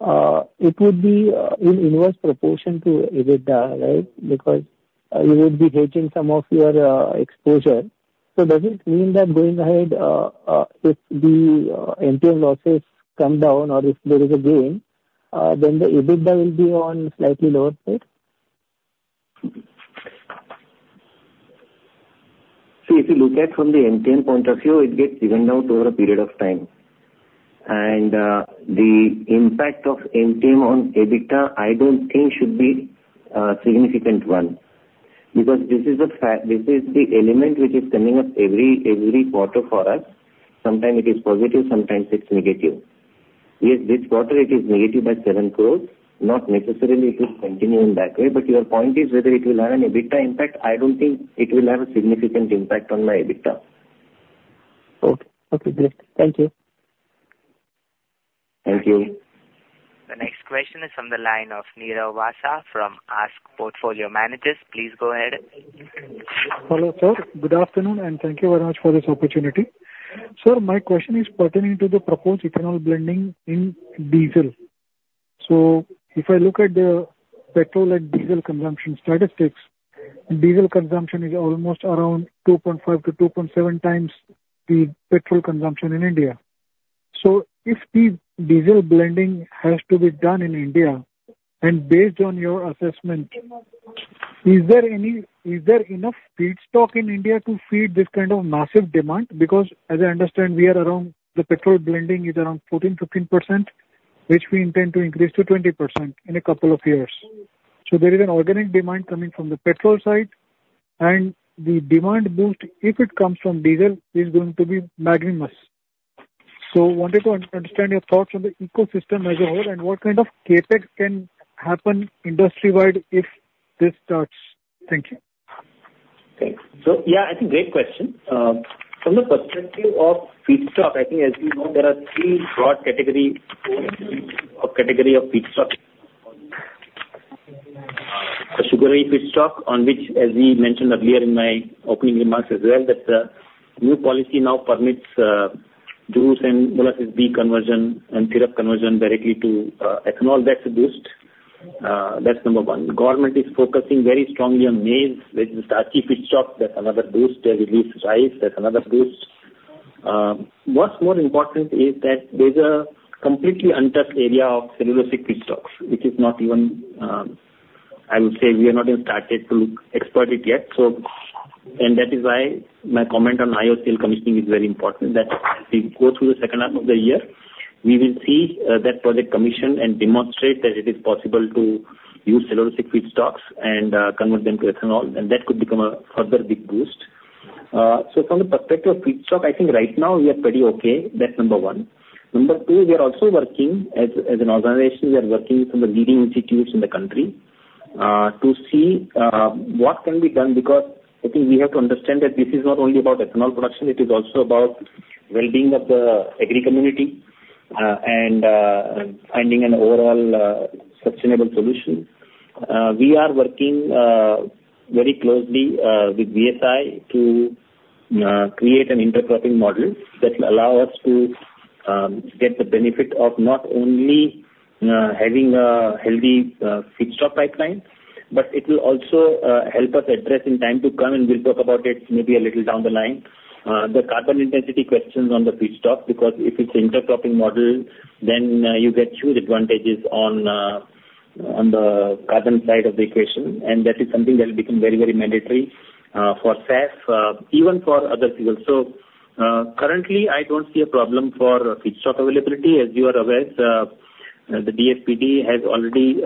Speaker 9: it would be in inverse proportion to EBITDA, right? Because you would be hedging some of your exposure. So does it mean that going ahead, if the MTM losses come down or if there is a gain, then the EBITDA will be on slightly lower side?
Speaker 3: So if you look at from the MTM point of view, it gets evened out over a period of time. And the impact of MTM on EBITDA, I don't think should be a significant one, because this is the element which is coming up every quarter for us. Sometimes it is positive, sometimes it's negative. Yes, this quarter it is negative by 7 crore. Not necessarily it will continue in that way, but your point is whether it will have an EBITDA impact, I don't think it will have a significant impact on my EBITDA.
Speaker 9: Okay. Okay, great. Thank you.
Speaker 3: Thank you.
Speaker 1: The next question is from the line of Niraj Vasa from ASK Investment Managers. Please go ahead.
Speaker 10: Hello, sir. Good afternoon, and thank you very much for this opportunity. Sir, my question is pertaining to the proposed ethanol blending in diesel. So if I look at the petrol and diesel consumption statistics, diesel consumption is almost around 2.5-2.7 times the petrol consumption in India. So if the diesel blending has to be done in India, and based on your assessment, is there enough feedstock in India to feed this kind of massive demand? Because as I understand, we are around, the petrol blending is around 14-15%, which we intend to increase to 20% in a couple of years. So there is an organic demand coming from the petrol side, and the demand boost, if it comes from diesel, is going to be mountainous. Wanted to understand your thoughts on the ecosystem as a whole, and what kind of CapEx can happen industry-wide if this starts? Thank you.
Speaker 3: Thanks. So, yeah, I think great question. From the perspective of feedstock, I think as we know, there are three broad category, or a category of feedstock.... sugar-based feedstock on which, as we mentioned earlier in my opening remarks as well, that, new policy now permits, juice and molasses B conversion and syrup conversion directly to, ethanol, that's a boost. That's number one. The government is focusing very strongly on maize, which is starchy feedstock, that's another boost. They release rice, that's another boost. What's more important is that there's a completely untouched area of cellulosic feedstocks, which is not even, I would say we have not even started to exploit it yet. And that is why my comment on IOC commissioning is very important, that as we go through the second half of the year, we will see that project commission and demonstrate that it is possible to use cellulosic feedstocks and convert them to ethanol, and that could become a further big boost. From the perspective of feedstock, I think right now we are pretty okay. That's number one. Number two, we are also working as an organization with some of the leading institutes in the country to see what can be done, because I think we have to understand that this is not only about ethanol production. It is also about well-being of the agri community and finding an overall sustainable solution. We are working very closely with VSI to create an intercropping model that will allow us to get the benefit of not only having a healthy feedstock pipeline, but it will also help us address in time to come, and we'll talk about it maybe a little down the line, the carbon intensity questions on the feedstock, because if it's intercropping model, then you get huge advantages on the carbon side of the equation, and that is something that will become very, very mandatory for SAF, even for other fuels. So, currently, I don't see a problem for feedstock availability. As you are aware, the DSPD has already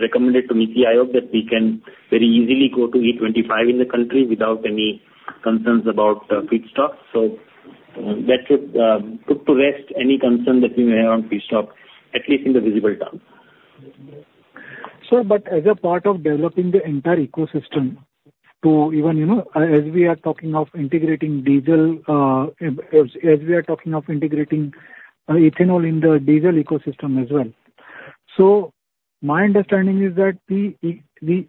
Speaker 3: recommended to me, IOC, that we can very easily go to E-25 in the country without any concerns about feedstock. So that should put to rest any concern that we may have on feedstock, at least in the visible term.
Speaker 10: Sir, but as a part of developing the entire ecosystem to even, you know, as we are talking of integrating diesel, as we are talking of integrating ethanol in the diesel ecosystem as well. So my understanding is that the, the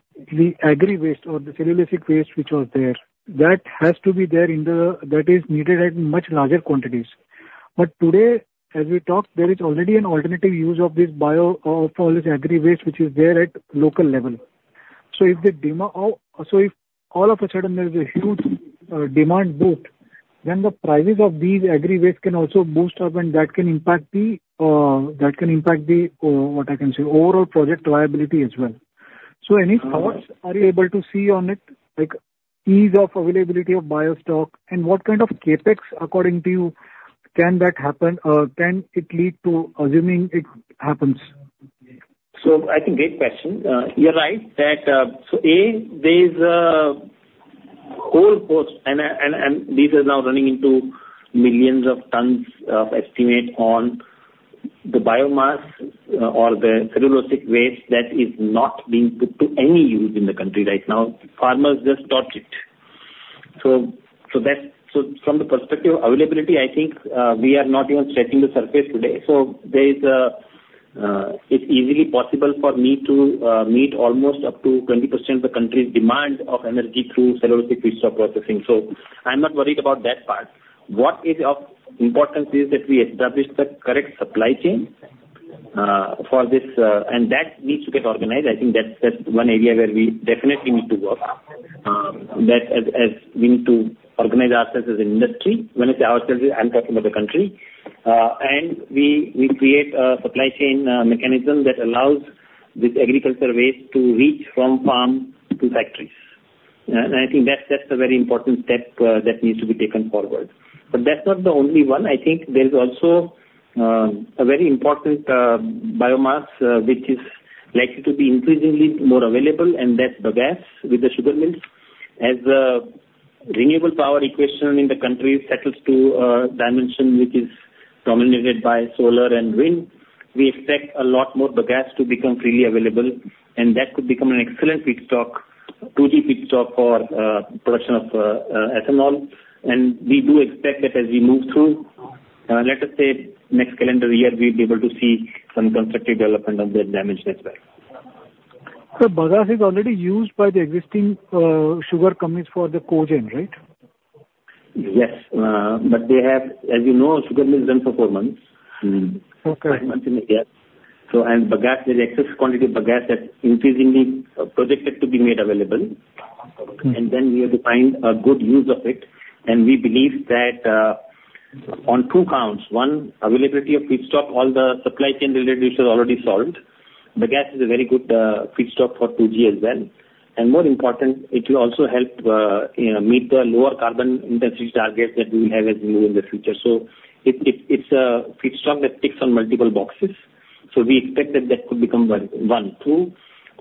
Speaker 10: agri waste or the cellulosic waste, which was there, that has to be there in the, that is needed at much larger quantities. But today, as we talk, there is already an alternative use of this bio for this agri waste, which is there at local level. So if the demand or so if all of a sudden there is a huge demand boost, then the prices of these agri waste can also boost up, and that can impact the, that can impact the what I can say, overall project viability as well. So any thoughts-
Speaker 3: Uh...
Speaker 10: are you able to see on it, like, ease of availability of buyer stock, and what kind of CapEx, according to you, can that happen, can it lead to assuming it happens?
Speaker 3: So I think great question. You're right, that, so a whole host, and this is now running into millions of tons estimates on the biomass or the cellulosic waste that is not being put to any use in the country right now. Farmers just torch it. So that's from the perspective of availability, I think, we are not even scratching the surface today. So there is, it's easily possible for me to meet almost up to 20% of the country's demand of energy through cellulosic feedstock processing. So I'm not worried about that part. What is of importance is that we establish the correct supply chain for this, and that needs to get organized. I think that's one area where we definitely need to work. That we need to organize ourselves as an industry, when I say ourselves, I'm talking about the country. And we create a supply chain mechanism that allows this agricultural waste to reach from farm to factories. And I think that's a very important step that needs to be taken forward. But that's not the only one. I think there's also a very important biomass which is likely to be increasingly more available, and that's bagasse with the sugar mills. As renewable power equation in the country settles to a dimension which is dominated by solar and wind, we expect a lot more bagasse to become freely available, and that could become an excellent feedstock for production of ethanol. And we do expect that as we move through, let us say, next calendar year, we'll be able to see some constructive development on that dimension as well.
Speaker 10: Bagasse is already used by the existing sugar companies for the cogen, right?
Speaker 3: Yes, but they have, as you know, sugar mill is done for four months.
Speaker 10: Okay.
Speaker 3: Five months in a year. So, and bagasse, the excess quantity of bagasse that's increasingly projected to be made available.
Speaker 10: Okay.
Speaker 3: And then we have to find a good use of it. And we believe that, on two counts, one, availability of feedstock, all the supply chain related issues are already solved. Bagasse is a very good feedstock for 2G as well. And more important, it will also help, you know, meet the lower carbon intensity target that we have as we move in the future. So it's a feedstock that ticks on multiple boxes. So we expect that could become one. Two,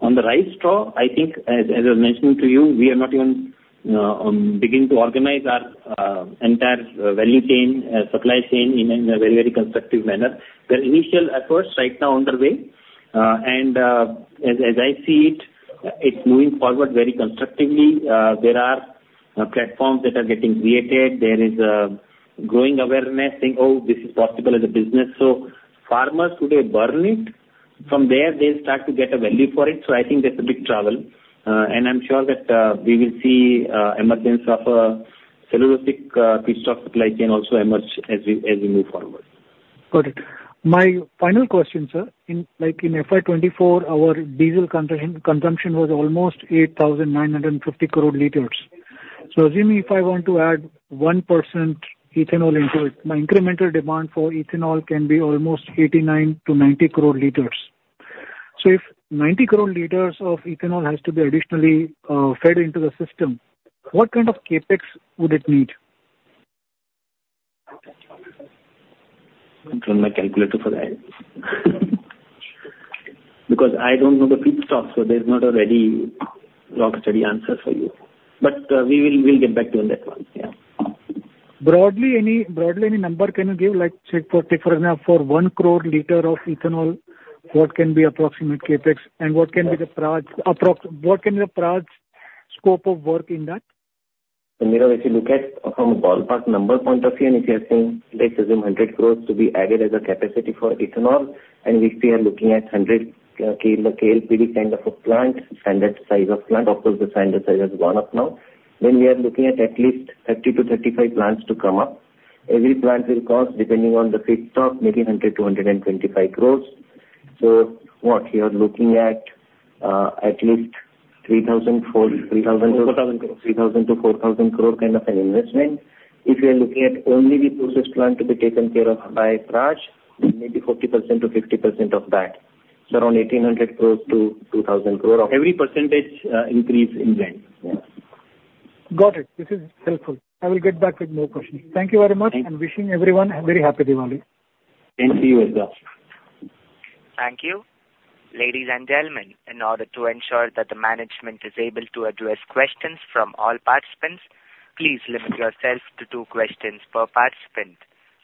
Speaker 3: on the rice straw, I think, as I was mentioning to you, we are not even beginning to organize our entire value chain supply chain in a very constructive manner. The initial efforts right now underway, and as I see it, it's moving forward very constructively. There are-... Platforms that are getting created, there is a growing awareness, saying, "Oh, this is possible as a business." So farmers today burn it. From there, they start to get a value for it, so I think that's a big travel. And I'm sure that we will see emergence of a cellulosic feedstock supply chain also emerge as we move forward.
Speaker 10: Got it. My final question, sir, in, like, in FY 2024, our diesel consumption was almost 8,950 crore liters. So assuming if I want to add 1% ethanol into it, my incremental demand for ethanol can be almost 89-90 crore liters. So if 90 crore liters of ethanol has to be additionally fed into the system, what kind of CapEx would it need?
Speaker 3: Let me turn to my calculator for that. Because I don't know the feedstock, so there's not a ready reckoner study answer for you. But, we'll get back to you on that one. Yeah.
Speaker 10: Broadly, any number can you give, like, say, take for example, for one crore liter of ethanol, what can be approximate CapEx? And what can be the broad scope of work in that?
Speaker 3: So, Miro, if you look at from a ballpark number point of view, and if you are saying, let's assume 100 crore to be added as a capacity for ethanol, and if we are looking at 100 kLPD kind of a plant, standard size of plant, of course, the standard size has gone up now, then we are looking at at least 30 to 35 plants to come up. Every plant will cost, depending on the feedstock, maybe 100-225 crore. So what you are looking at, at least 3,000-4,000-
Speaker 10: 4,000 crores.
Speaker 3: 3,000-4,000 crore kind of an investment. If you are looking at only the process plant to be taken care of by Praj, maybe 40%-50% of that. So around 1,800 crores to 2,000 crore for every percentage increase in land. Yeah.
Speaker 10: Got it. This is helpful. I will get back with more questions. Thank you very much.
Speaker 3: Thank you.
Speaker 10: Wishing everyone a very happy Diwali.
Speaker 3: Thank you as well.
Speaker 1: Thank you. Ladies and gentlemen, in order to ensure that the management is able to address questions from all participants, please limit yourself to two questions per participant.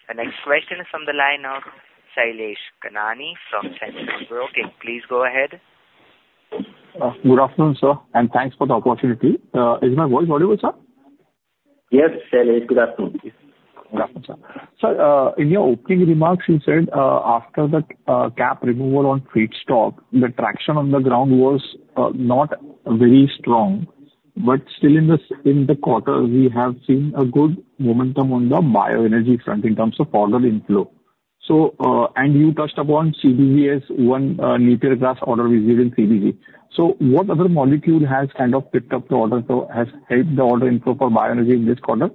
Speaker 1: The next question is from the line of Sailesh Kanani from Centrum Broking. Please go ahead.
Speaker 11: Good afternoon, sir, and thanks for the opportunity. Is my voice audible, sir?
Speaker 3: Yes, Sailesh, good afternoon.
Speaker 11: Good afternoon, sir. Sir, in your opening remarks, you said, after the cap removal on feedstock, the traction on the ground was not very strong. But still in this quarter, we have seen a good momentum on the bioenergy front in terms of order inflow. So, and you touched upon CBG as one Napier grass order we did in CBG. So what other molecule has kind of picked up the order, so has helped the order inflow for bioenergy in this quarter?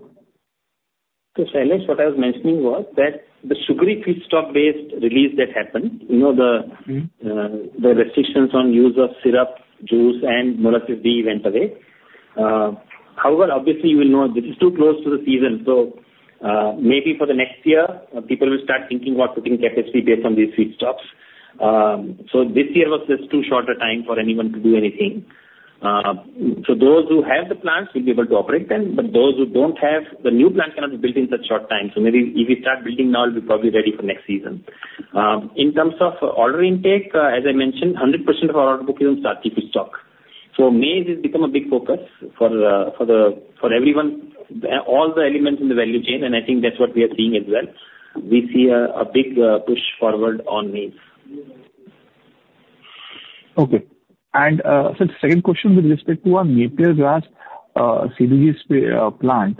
Speaker 3: So, Sailesh, what I was mentioning was that the sugary feedstock-based release that happened, you know, the-
Speaker 11: Mm-hmm.
Speaker 3: The restrictions on use of syrup, juice, and B-Heavy Molasses went away. However, obviously, you will know this is too close to the season, so, maybe for the next year, people will start thinking about putting capacity based on these feedstocks. So this year was just too short a time for anyone to do anything. So those who have the plants will be able to operate them, but those who don't have, the new plant cannot be built in such short time. So maybe if we start building now, it'll be probably ready for next season. In terms of order intake, as I mentioned, 100% of our order book is on starchy feedstock. Maize has become a big focus for everyone all the elements in the value chain, and I think that's what we are seeing as well. We see a big push forward on maize.
Speaker 11: Okay. And so second question with respect to our Napier grass, CBG plant.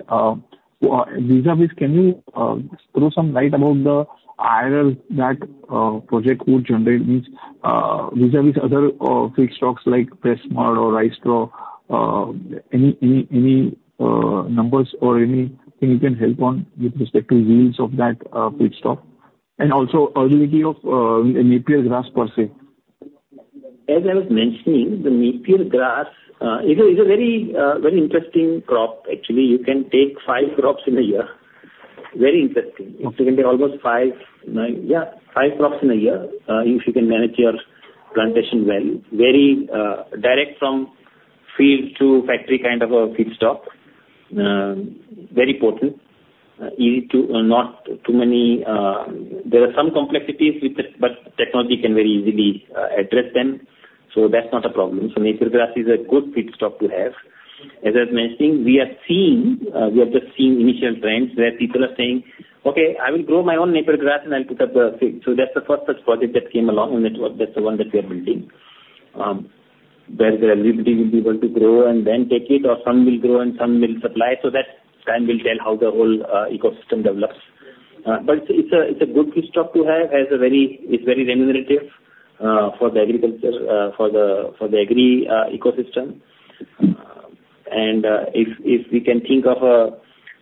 Speaker 11: Vis-a-vis, can you throw some light about the IRR that project would generate means, vis-a-vis other feedstocks, like press mud or rice straw, any numbers or anything you can help on with respect to yields of that feedstock? And also availability of Napier grass per se.
Speaker 3: As I was mentioning, the Napier grass is a very, very interesting crop, actually. You can take five crops in a year. Very interesting.
Speaker 11: Okay.
Speaker 3: It can be almost five to nine crops in a year if you can manage your plantation well. Very direct from field to factory kind of a feedstock. Very potent. Not too many, there are some complexities with it, but technology can very easily address them, so that's not a problem. So Napier Grass is a good feedstock to have. As I was mentioning, we are seeing. We have just seen initial trends where people are saying: "Okay, I will grow my own Napier Grass, and I'll put up the thing." So that's the first such project that came along, and it was. That's the one that we are building. Where everybody will be able to grow and then take it, or some will grow and some will supply. So that time will tell how the whole ecosystem develops. But it's a good feedstock to have, it has a very, it's very remunerative for the agriculture, for the agri ecosystem. And if we can think of a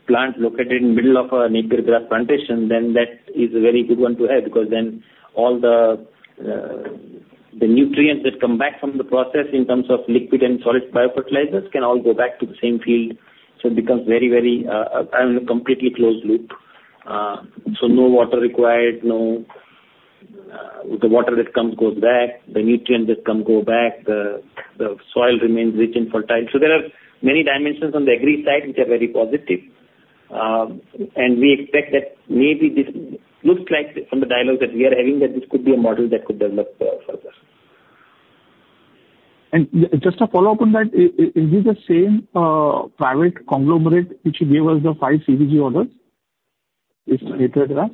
Speaker 3: plant located in the middle of a Napier Grass plantation, then that is a very good one to have, because then all the nutrients that come back from the process in terms of liquid and solid biofertilizers can all go back to the same field. So it becomes very, very a completely closed loop. So no water required, no. The water that comes goes back, the nutrients that come go back, the soil remains rich and fertile. So there are many dimensions on the agri side, which are very positive. And we expect that maybe this looks like from the dialogue that we are having, that this could be a model that could develop further. ...
Speaker 12: And just a follow-up on that, is this the same private conglomerate which gave us the five CBG orders? It's Napier Grass?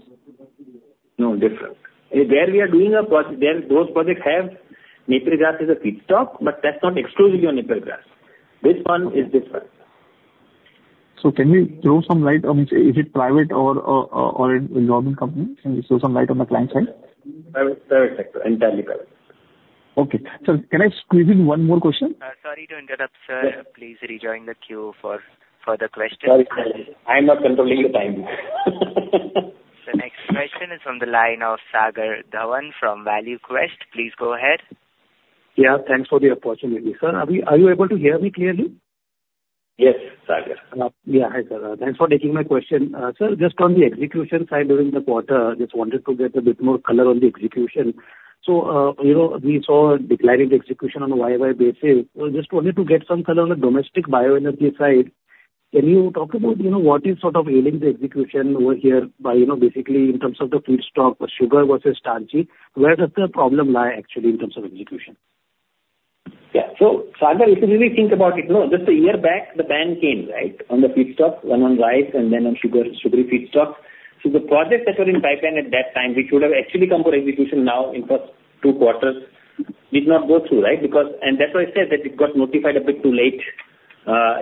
Speaker 3: No, different. Where we are doing a project. There, those projects have Napier Grass as a feedstock, but that's not exclusively on Napier Grass. This one is different.
Speaker 12: Can you throw some light on, is it private or a government company? Can you throw some light on the client side?
Speaker 3: Private, private sector. Entirely private.
Speaker 12: Okay. Sir, can I squeeze in one more question?
Speaker 1: Sorry to interrupt, sir.
Speaker 3: Yeah.
Speaker 1: Please rejoin the queue for further questions.
Speaker 3: Sorry, sorry. I'm not controlling the time.
Speaker 1: The next question is on the line of Sagar Dhawan from ValueQuest. Please go ahead.
Speaker 12: Yeah, thanks for the opportunity. Sir, are you able to hear me clearly?
Speaker 3: Yes, Sagar.
Speaker 12: Yeah. Hi, sir. Thanks for taking my question. Sir, just on the execution side during the quarter, just wanted to get a bit more color on the execution. So, you know, we saw declining execution on a YY basis. So just wanted to get some color on the domestic bioenergy side. Can you talk about, you know, what is sort of ailing the execution over here by, you know, basically in terms of the feedstock or sugar versus starchy? Where does the problem lie actually in terms of execution?
Speaker 3: Yeah. So, Sagar, if you really think about it, no, just a year back, the ban came, right, on the feedstock, one on rice and then on sugar, sugary feedstock. So the projects that were in pipeline at that time, which would have actually come for execution now in first two quarters, did not go through, right? Because... And that's why I said that it got notified a bit too late,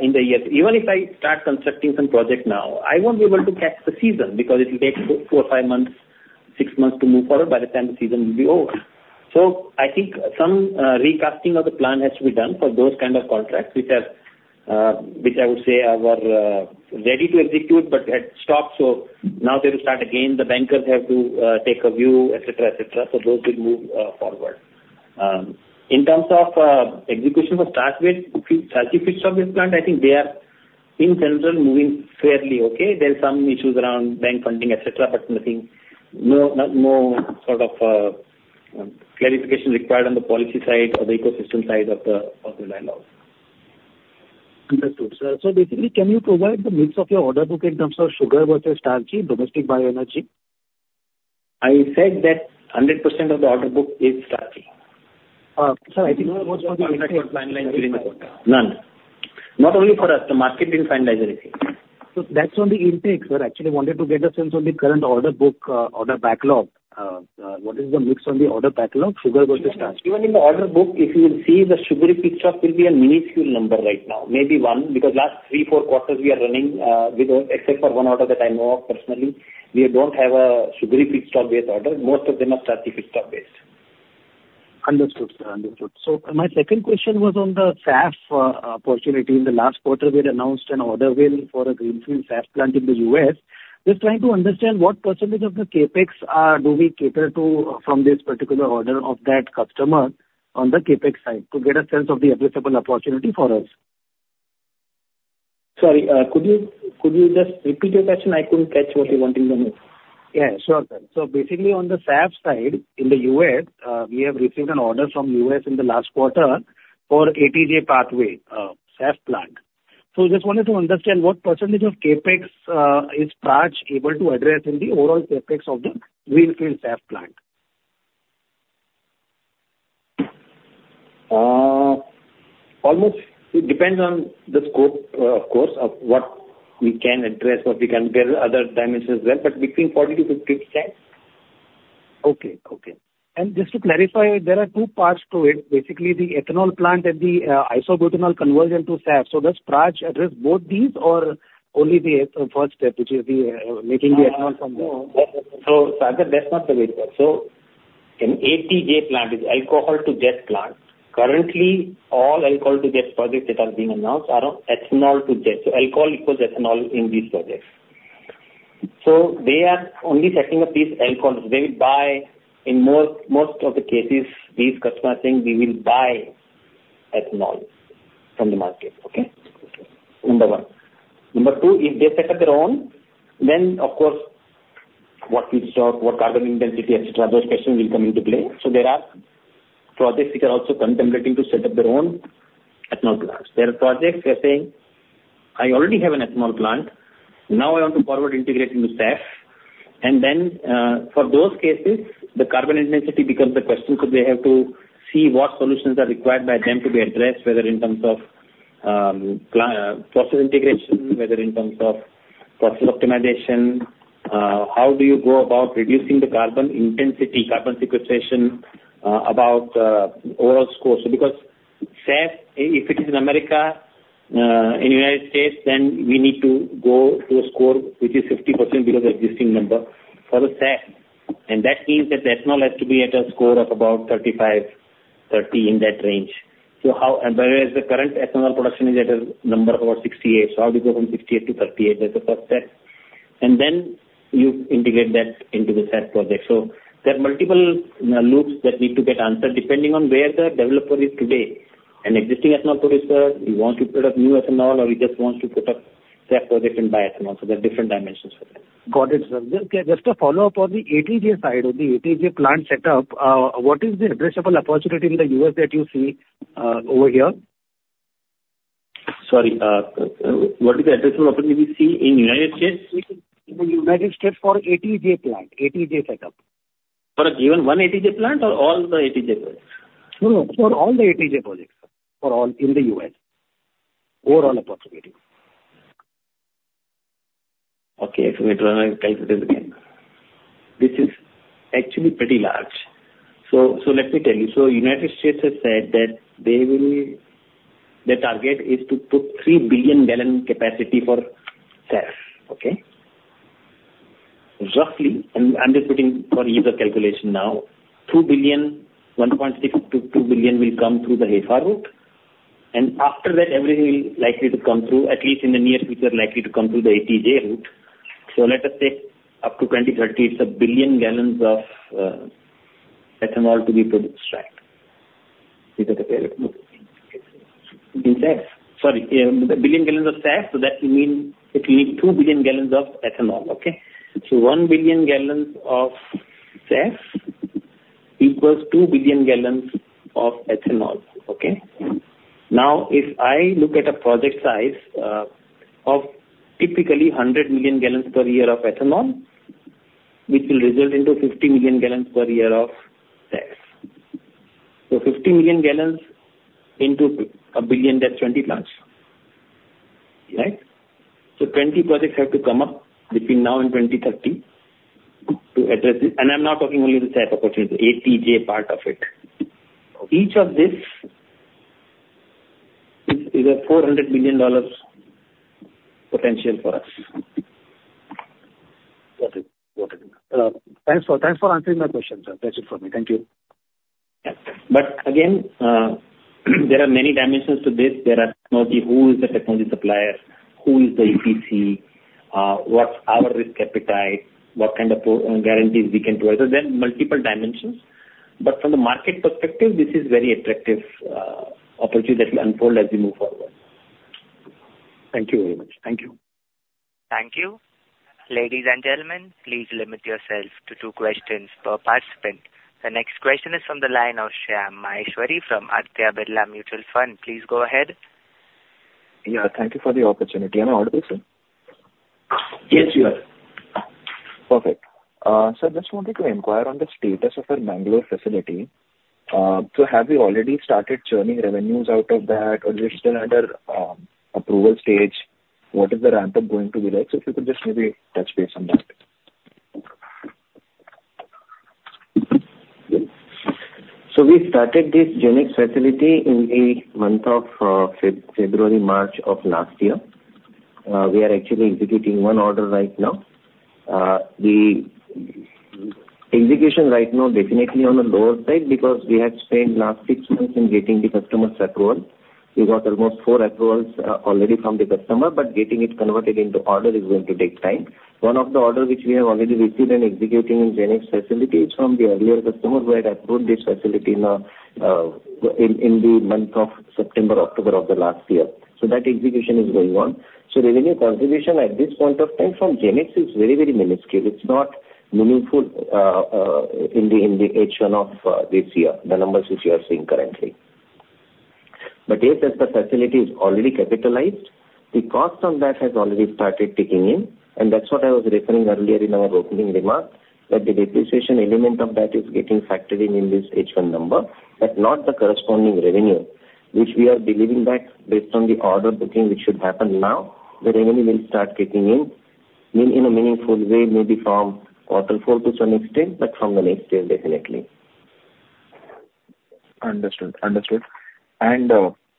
Speaker 3: in the year. Even if I start constructing some projects now, I won't be able to catch the season because it will take four or five months, six months to move forward, by the time the season will be over. So I think some recasting of the plan has to be done for those kind of contracts, which has, which I would say are, were, ready to execute but had stopped. So now they will start again. The bankers have to take a view, et cetera, et cetera, so those will move forward. In terms of execution of starch-based, starchy feedstock-based plant, I think they are in general moving fairly okay. There are some issues around bank funding, et cetera, but nothing, no, no, sort of clarification required on the policy side or the ecosystem side of the dialogue.
Speaker 12: Understood, sir. So basically, can you provide the mix of your order book in terms of sugar versus starchy, domestic bioenergy?
Speaker 3: I said that 100% of the order book is starchy.
Speaker 12: Sir, I think
Speaker 3: None. Not only for us, the market didn't finalize anything.
Speaker 12: That's on the intake, sir. Actually, wanted to get a sense on the current order book, order backlog. What is the mix on the order backlog, sugar versus starchy?
Speaker 3: Even in the order book, if you will see, the sugary feedstock will be a minuscule number right now, maybe one, because last three, four quarters, we are running without, except for one order that I know of personally, we don't have a sugary feedstock-based order. Most of them are starchy feedstock-based.
Speaker 12: Understood, sir. Understood. So my second question was on the SAF opportunity. In the last quarter, we had announced an order win for a greenfield SAF plant in the U.S. Just trying to understand what percentage of the CapEx do we cater to from this particular order of that customer on the CapEx side, to get a sense of the addressable opportunity for us?
Speaker 3: Sorry, could you just repeat your question? I couldn't catch what you want in the mix.
Speaker 12: Yeah, sure, sir. So basically, on the SAF side, in the U.S., we have received an order from U.S. in the last quarter for ATJ pathway, SAF plant. So just wanted to understand, what percentage of CapEx is Praj able to address in the overall CapEx of the greenfield SAF plant?
Speaker 3: Almost, it depends on the scope, of course, of what we can address or we can build other dimensions as well, but between 40% to 50%.
Speaker 12: Okay. Okay. And just to clarify, there are two parts to it. Basically, the ethanol plant and the isobutanol conversion to SAF. So does Praj address both these or only the first step, which is the making the ethanol from there?
Speaker 3: No. So, Sagar, that's not the way it works. So an ATJ plant is alcohol-to-jet plant. Currently, all alcohol-to-jet projects that are being announced are on ethanol to jet. So alcohol equals ethanol in these projects. So they are only setting up these alcohols. They will buy... In most of the cases, these customers are saying, "We will buy ethanol from the market." Okay?
Speaker 12: Okay.
Speaker 3: Number one. Number two, if they set up their own, then of course, what feedstock, what carbon intensity, et cetera, those questions will come into play. So there are projects which are also contemplating to set up their own ethanol plants. There are projects they're saying, "I already have an ethanol plant. Now I want to forward integrate into SAF." And then, for those cases, the carbon intensity becomes a question because they have to see what solutions are required by them to be addressed, whether in terms of, process integration, whether in terms of process optimization, how do you go about reducing the carbon intensity, carbon sequestration, about, overall score. So because SAF, it is in America, in United States, then we need to go to a score which is 50% below the existing number for the SAF. That means that the ethanol has to be at a score of about 35, 30, in that range. How... Whereas the current ethanol production is at a number of about 68. How do you go from 68 to 38? That is the first step. Then you integrate that into the SAF project. There are multiple loops that need to get answered depending on where the developer is today. An existing ethanol producer, he wants to put up new ethanol, or he just wants to put up SAF project and buy ethanol. There are different dimensions for that.
Speaker 12: Got it, sir. Just, just a follow-up on the ATJ side, on the ATJ plant setup, what is the addressable opportunity in the US that you see, over here?...
Speaker 3: Sorry, what is the addressable opportunity we see in United States?
Speaker 12: In the United States for ATJ plant, ATJ setup.
Speaker 3: For a given one ATJ plant or all the ATJ plants?
Speaker 12: No, for all the ATJ projects. For all in the U.S. Overall opportunity.
Speaker 3: Okay. Wait, can I tell you this again? This is actually pretty large. So let me tell you. The United States has said that they will, their target is to put three billion gallon capacity for SAF, okay? Roughly, and I'm just putting for ease of calculation now, 1.6-2 billion will come through the HEFA route. And after that, everything will likely to come through, at least in the near future, likely to come through the ATJ route. So let us say up to 2030, it's a billion gallons of ethanol to be produced, right?
Speaker 12: In SAF.
Speaker 3: Sorry, billion gallons of SAF, so that will mean it will need two billion gallons of ethanol, okay? So one billion gallons of SAF equals two billion gallons of ethanol, okay? Now, if I look at a project size of typically 100 million gallons per year of ethanol, which will result into 50 million gallons per year of SAF. So 50 million gallons into a billion, that's 20 plus. Right? So 20 projects have to come up between now and 2030 to address it. And I'm not talking only the SAF opportunity, the ATJ part of it. Each of this is a $400 million potential for us.
Speaker 12: Got it. Got it. Thanks for answering my question, sir. That's it for me. Thank you.
Speaker 3: Yeah. But again, there are many dimensions to this. There are technology, who is the technology supplier? Who is the EPC? What's our risk appetite? What kind of performance guarantees we can provide? So there are multiple dimensions, but from the market perspective, this is very attractive opportunity that will unfold as we move forward.
Speaker 12: Thank you very much. Thank you.
Speaker 1: Thank you. Ladies and gentlemen, please limit yourselves to two questions per participant. The next question is from the line of Shyam Maheshwari from Aditya Birla Mutual Fund. Please go ahead.
Speaker 13: Yeah, thank you for the opportunity. Am I audible, sir?
Speaker 3: Yes, you are.
Speaker 13: Perfect. So I just wanted to inquire on the status of our Bengaluru facility. So have you already started churning revenues out of that, or is it still under approval stage? What is the ramp-up going to be like? So if you could just maybe touch base on that.
Speaker 3: So we started this GenX facility in the month of February, March of last year. We are actually executing one order right now. The execution right now definitely on the lower side, because we had spent last six months in getting the customer's approval. We got almost four approvals already from the customer, but getting it converted into order is going to take time. One of the order, which we have already received and executing in GenX facility, is from the earlier customer who had approved this facility in the month of September, October of the last year. So that execution is going on. So revenue contribution at this point of time from GenX is very, very minuscule. It's not meaningful in the H1 of this year, the numbers which you are seeing currently. But yes, as the facility is already capitalized, the cost on that has already started kicking in, and that's what I was referring earlier in our opening remarks, that the depreciation element of that is getting factored in in this H1 number, but not the corresponding revenue, which we are believing that based on the order booking which should happen now, the revenue will start kicking in in a meaningful way, maybe from quarter four to some extent, but from the next year, definitely.
Speaker 13: Understood. Understood. And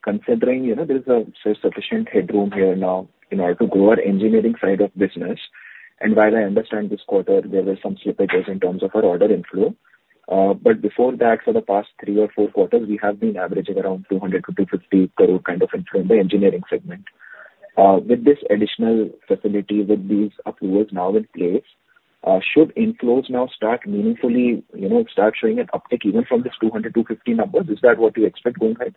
Speaker 13: considering, you know, there is a sufficient headroom here now in order to grow our engineering side of business, and while I understand this quarter, there were some slippages in terms of our order inflow. But before that, for the past three or four quarters, we have been averaging around 200-250 crore kind of inflow in the engineering segment. With this additional facility, with these approvals now in place, should inflows now start meaningfully, you know, start showing an uptick even from this 200-250 numbers? Is that what we expect going forward?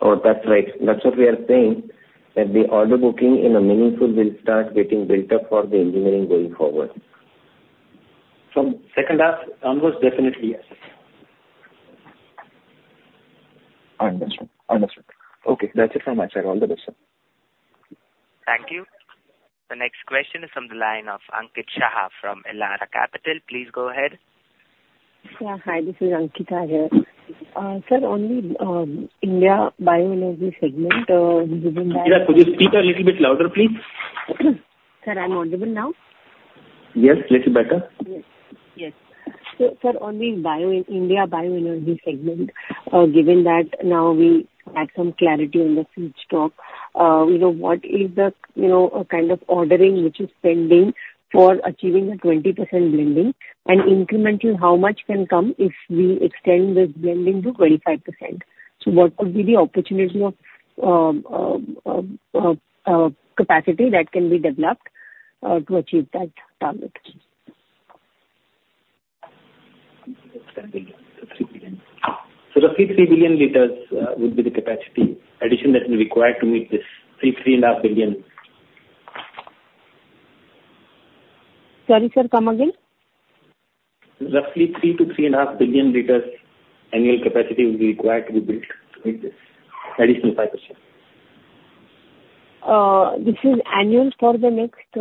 Speaker 3: Oh, that's right. That's what we are saying, that the order booking in a meaningful will start getting built up for the engineering going forward.
Speaker 13: From second half onwards, definitely, yes. Understand. Understood. Okay, that's it from my side. All the best, sir.
Speaker 1: Thank you. The next question is from the line of Ankita Shah from Elara Capital. Please go ahead.
Speaker 14: Yeah, hi, this is Ankita here. Sir, on the India bioenergy segment, given that-
Speaker 3: Yeah, could you speak a little bit louder, please?
Speaker 14: Sir, I'm audible now?
Speaker 3: Yes, little better.
Speaker 14: Yes. Yes. So for on the bio-India bioenergy segment, you know, what is the, you know, kind of ordering which is pending for achieving the 20% blending? And incrementally, how much can come if we extend this blending to 25%? So what could be the opportunity of capacity that can be developed to achieve that target?
Speaker 3: So the three billion liters would be the capacity addition that will be required to meet this three and a half billion-...
Speaker 14: Sorry, sir, come again?
Speaker 3: Roughly 3-3.5 billion liters annual capacity will be required to be built to meet this additional 5%.
Speaker 14: This is annual for the next,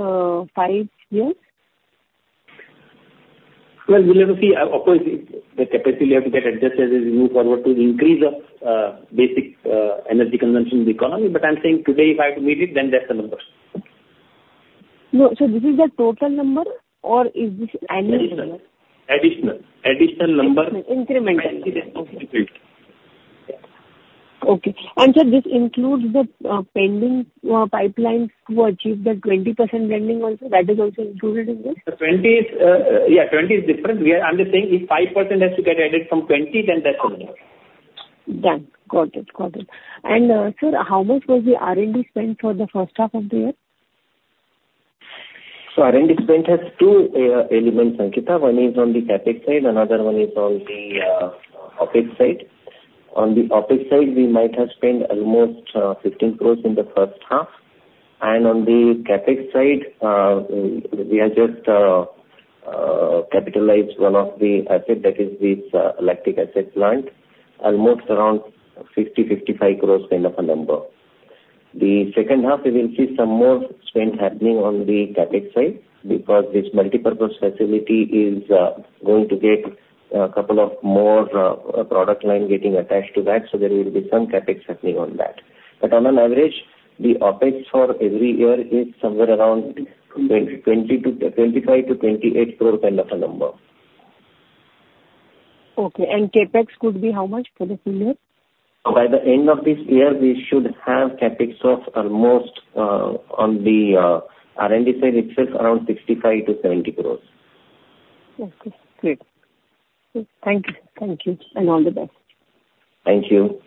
Speaker 14: five years?
Speaker 3: We'll have to see. Of course, the capacity will have to get adjusted as we move forward to increase the basic energy consumption in the economy. But I'm saying today, if I have to meet it, then that's the numbers.
Speaker 14: No. So this is the total number or is this annual number?
Speaker 3: Additional number.
Speaker 14: Incremental.
Speaker 3: Incremental.
Speaker 14: Okay. Okay. And sir, this includes the pending pipelines to achieve the 20% blending also, that is also included in this?
Speaker 3: The 20 is, yeah, 20 is different. We are, I'm just saying if 5% has to get added from 20, then that's the number.
Speaker 14: Done. Got it, got it. And, sir, how much was the R&D spend for the first half of the year?
Speaker 3: So R&D spend has two elements, Ankita. One is on the CapEx side, another one is on the OpEx side. On the OpEx side, we might have spent almost 15 crore in the first half, and on the CapEx side, we have just capitalized one of the asset that is this lactic acid plant, almost around 50-55 crore kind of a number. The second half, we will see some more spend happening on the CapEx side, because this multipurpose facility is going to get a couple of more product line getting attached to that, so there will be some CapEx happening on that. But on an average, the OpEx for every year is somewhere around 20-25 to 28 crore kind of a number.
Speaker 14: Okay, and CapEx could be how much for the full year?
Speaker 3: By the end of this year, we should have CapEx of almost on the R&D side. It sits around 65-70 crores.
Speaker 14: Okay. Great. Thank you. Thank you, and all the best.
Speaker 3: Thank you.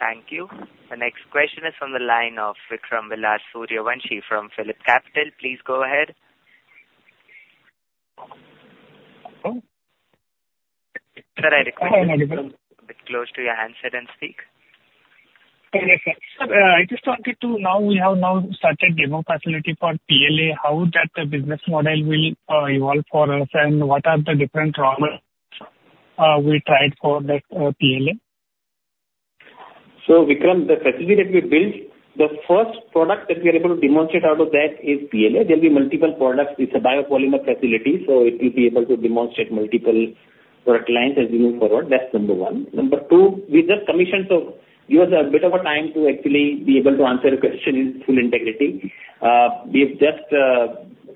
Speaker 1: Thank you. The next question is from the line of Vikram Suryavanshi from PhillipCapital. Please go ahead. Sir, I request you to move a bit close to your handset and speak.
Speaker 15: Sorry, sir. Sir, I just wanted to. Now, we have started demo facility for PLA. How that business model will evolve for us, and what are the different raw materials we tried for that PLA?
Speaker 3: So, Vikram, the facility that we built, the first product that we are able to demonstrate out of that is PLA. There'll be multiple products. It's a biopolymer facility, so it will be able to demonstrate multiple for a client as we move forward. That's number one. Number two, we just commissioned, so give us a bit of a time to actually be able to answer your question in full integrity. We've just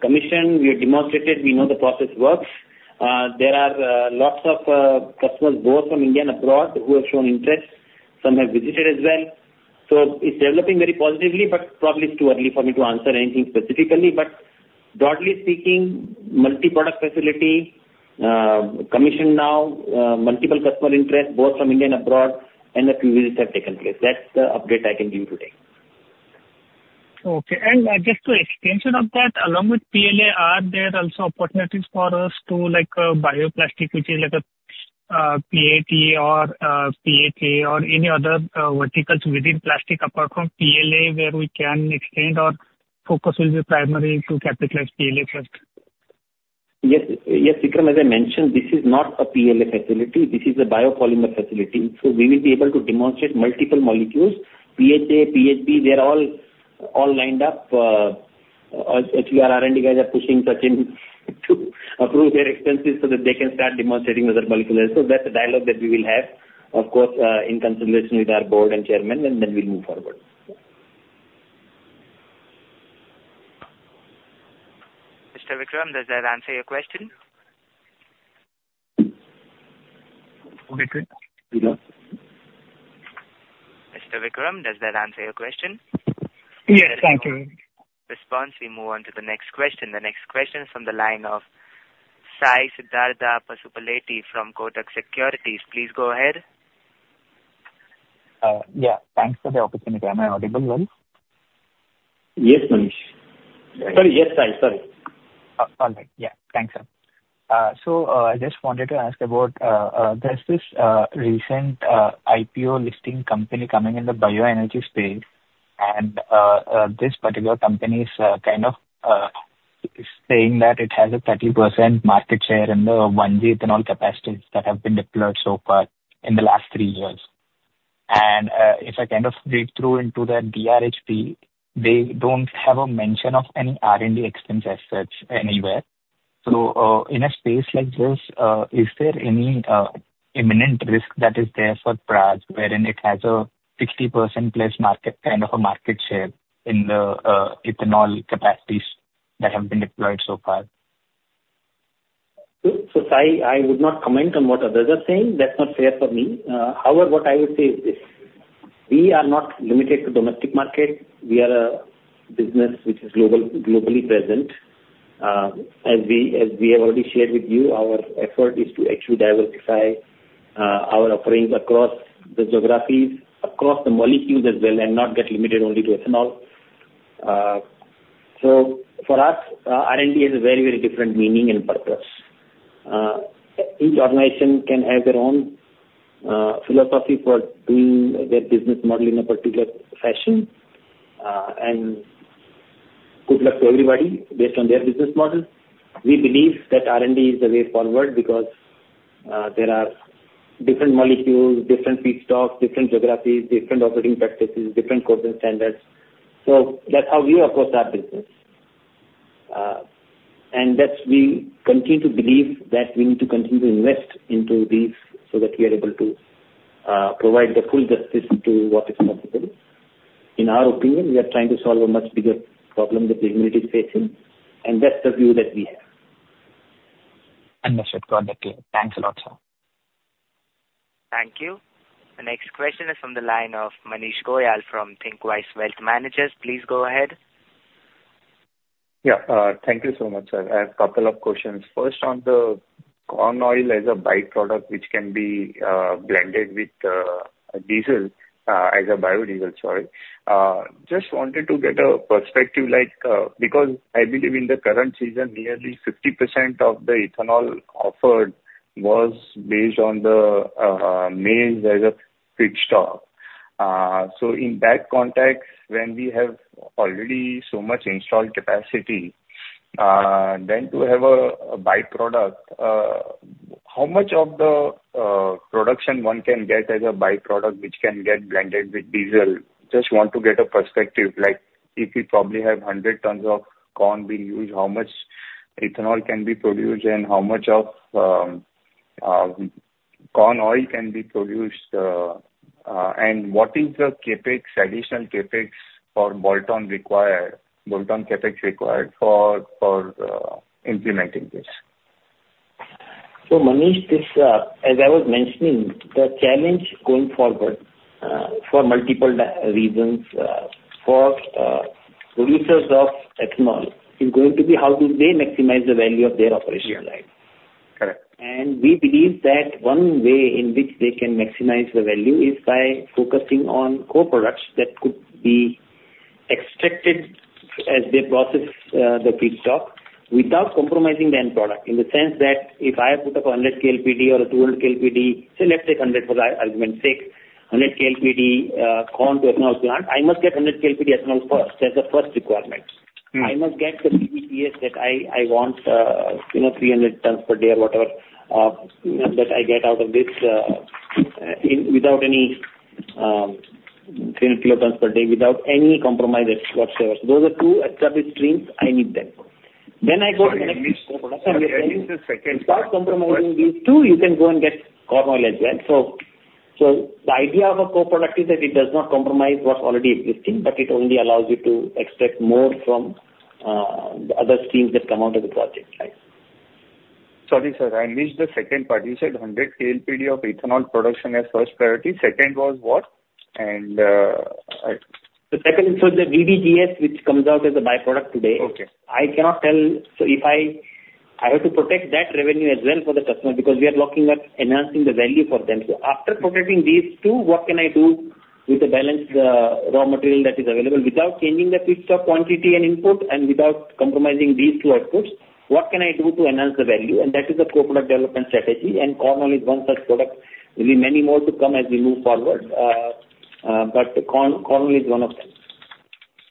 Speaker 3: commissioned, we have demonstrated, we know the process works. There are lots of customers, both from India and abroad, who have shown interest. Some have visited as well. So it's developing very positively, but probably it's too early for me to answer anything specifically. But broadly speaking, multi-product facility, commissioned now, multiple customer interest, both from India and abroad, and a few visits have taken place. That's the update I can give you today.
Speaker 15: Okay. And, just an extension of that, along with PLA, are there also opportunities for us to like, bioplastic, which is like a, PET or, PHA or any other, verticals within plastic apart from PLA, where we can extend, or focus will be primarily to capitalize PLA first?
Speaker 3: Yes. Yes, Vikram, as I mentioned, this is not a PLA facility, this is a biopolymer facility, so we will be able to demonstrate multiple molecules. PHA, PHB, they are all lined up. Actually, our R&D guys are pushing Sachin to approve their expenses so that they can start demonstrating other molecules. So that's a dialogue that we will have, of course, in consultation with our board and chairman, and then we'll move forward.
Speaker 1: Mr. Vikram, does that answer your question? Vikram? Mr. Vikram, does that answer your question?
Speaker 15: Yes, thank you.
Speaker 1: Response, we move on to the next question. The next question is from the line of Sai Siddhartha from Kotak Securities. Please go ahead.
Speaker 16: Yeah, thanks for the opportunity. Am I audible?
Speaker 3: Yes, Manish. Sorry, yes, Sai, sorry.
Speaker 16: All right. Yeah, thanks, sir. So, I just wanted to ask about, there's this recent IPO listing company coming in the bioenergy space, and this particular company is kind of saying that it has a 30% market share in the 1G ethanol capacities that have been deployed so far in the last three years. And, if I kind of read through into that DRHP, they don't have a mention of any R&D expense as such, anywhere. So, in a space like this, is there any imminent risk that is there for Praj, wherein it has a 60% plus market, kind of a market share in the ethanol capacities that have been deployed so far?
Speaker 3: So, Sai, I would not comment on what others are saying. That's not fair for me. However, what I would say is this: We are not limited to domestic market. We are a business which is global, globally present. As we have already shared with you, our effort is to actually diversify our offerings across the geographies, across the molecules as well, and not get limited only to ethanol. So for us, R&D has a very, very different meaning and purpose. Each organization can have their own philosophy for doing their business model in a particular fashion. And good luck to everybody based on their business model. We believe that R&D is the way forward, because there are different molecules, different feedstocks, different geographies, different operating practices, different coding standards. So that's how we approach our business. And that we continue to believe that we need to continue to invest into these so that we are able to provide the full justice to what is possible. In our opinion, we are trying to solve a much bigger problem that the humanity is facing, and that's the view that we have.
Speaker 16: Understood. Got that clear. Thanks a lot, sir.
Speaker 1: Thank you. The next question is from the line of Manish Goyal from ThinkWise Wealth Managers. Please go ahead.
Speaker 17: Yeah. Thank you so much, sir. I have a couple of questions. First, on the corn oil as a by-product which can be blended with diesel as a biodiesel, sorry. Just wanted to get a perspective, like, because I believe in the current season, nearly 50% of the ethanol offered was based on the maize as a feedstock. So in that context, when we have already so much installed capacity, then to have a by-product, how much of the production one can get as a by-product, which can get blended with diesel? Just want to get a perspective, like if you probably have hundred tons of corn being used, how much ethanol can be produced, and how much of corn oil can be produced, and what is the additional CapEx for bolt-on required for implementing this?
Speaker 3: So, Manish, this, as I was mentioning, the challenge going forward, for multiple different reasons, for producers of ethanol, is going to be: How do they maximize the value of their operation life?
Speaker 17: Correct.
Speaker 3: We believe that one way in which they can maximize the value is by focusing on co-products that could be extracted as they process the feedstock, without compromising the end product, in the sense that if I put up a hundred KLPD or a two hundred KLPD, so let's take hundred for the argument's sake, hundred KLPD corn to ethanol plant, I must get hundred KLPD ethanol first. That's the first requirement.
Speaker 17: Mm-hmm.
Speaker 3: I must get the DDGS that I want, you know, 300 tons per day or whatever, you know, that I get out of this without any 10 kilotons per day, without any compromises whatsoever. So those are two established streams. I need them. Then I go to the next-
Speaker 17: Sorry, I missed-
Speaker 3: Without compromising these two, you can go and get corn oil as well. So, the idea of a co-product is that it does not compromise what's already existing, but it only allows you to extract more from the other streams that come out of the project life.
Speaker 17: Sorry, sir, I missed the second part. You said 100 KLPD of ethanol production as first priority. Second was what? And,
Speaker 3: The second is from the DDGS, which comes out as a by-product today.
Speaker 17: Okay.
Speaker 3: I cannot tell... So if I have to protect that revenue as well for the customer, because we are looking at enhancing the value for them. So after protecting these two, what can I do with the balance, raw material that is available without changing the feedstock quantity and input, and without compromising these two outputs? What can I do to enhance the value? And that is the co-product development strategy, and corn oil is one such product. There'll be many more to come as we move forward. But corn oil is one of them.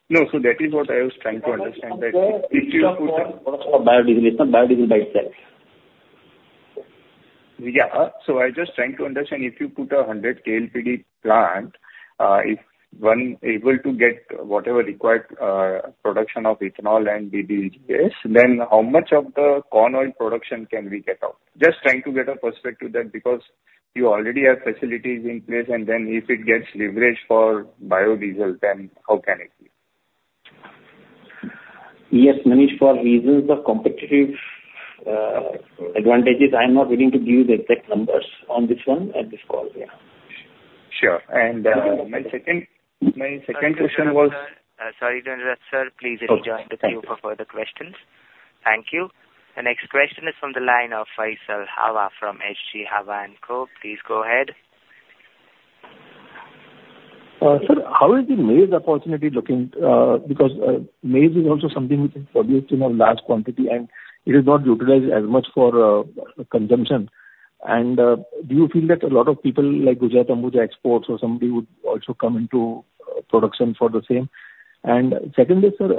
Speaker 17: No, so that is what I was trying to understand, that if you put a-...
Speaker 3: biodiesel. It's a biodiesel by itself.
Speaker 17: Yeah. So I just trying to understand, if you put a 100 KLPD plant, if one able to get whatever required production of ethanol and DDGS, then how much of the corn oil production can we get out? Just trying to get a perspective there, because you already have facilities in place, and then if it gets leveraged for biodiesel, then how can it be?
Speaker 3: Yes, Manish, for reasons of competitive advantages, I'm not willing to give you the exact numbers on this one at this call here.
Speaker 17: Sure. And, my second question was-
Speaker 1: Sorry to interrupt, sir.
Speaker 17: Okay.
Speaker 1: Please rejoin the queue for further questions. Thank you. The next question is from the line of Faisal Hawa from H.G. Hawa & Co. Please go ahead.
Speaker 18: Sir, how is the maize opportunity looking? Because maize is also something which can produce in a large quantity, and it is not utilized as much for consumption. And do you feel that a lot of people like Gujarat Ambuja Exports or somebody would also come into production for the same? And secondly, sir,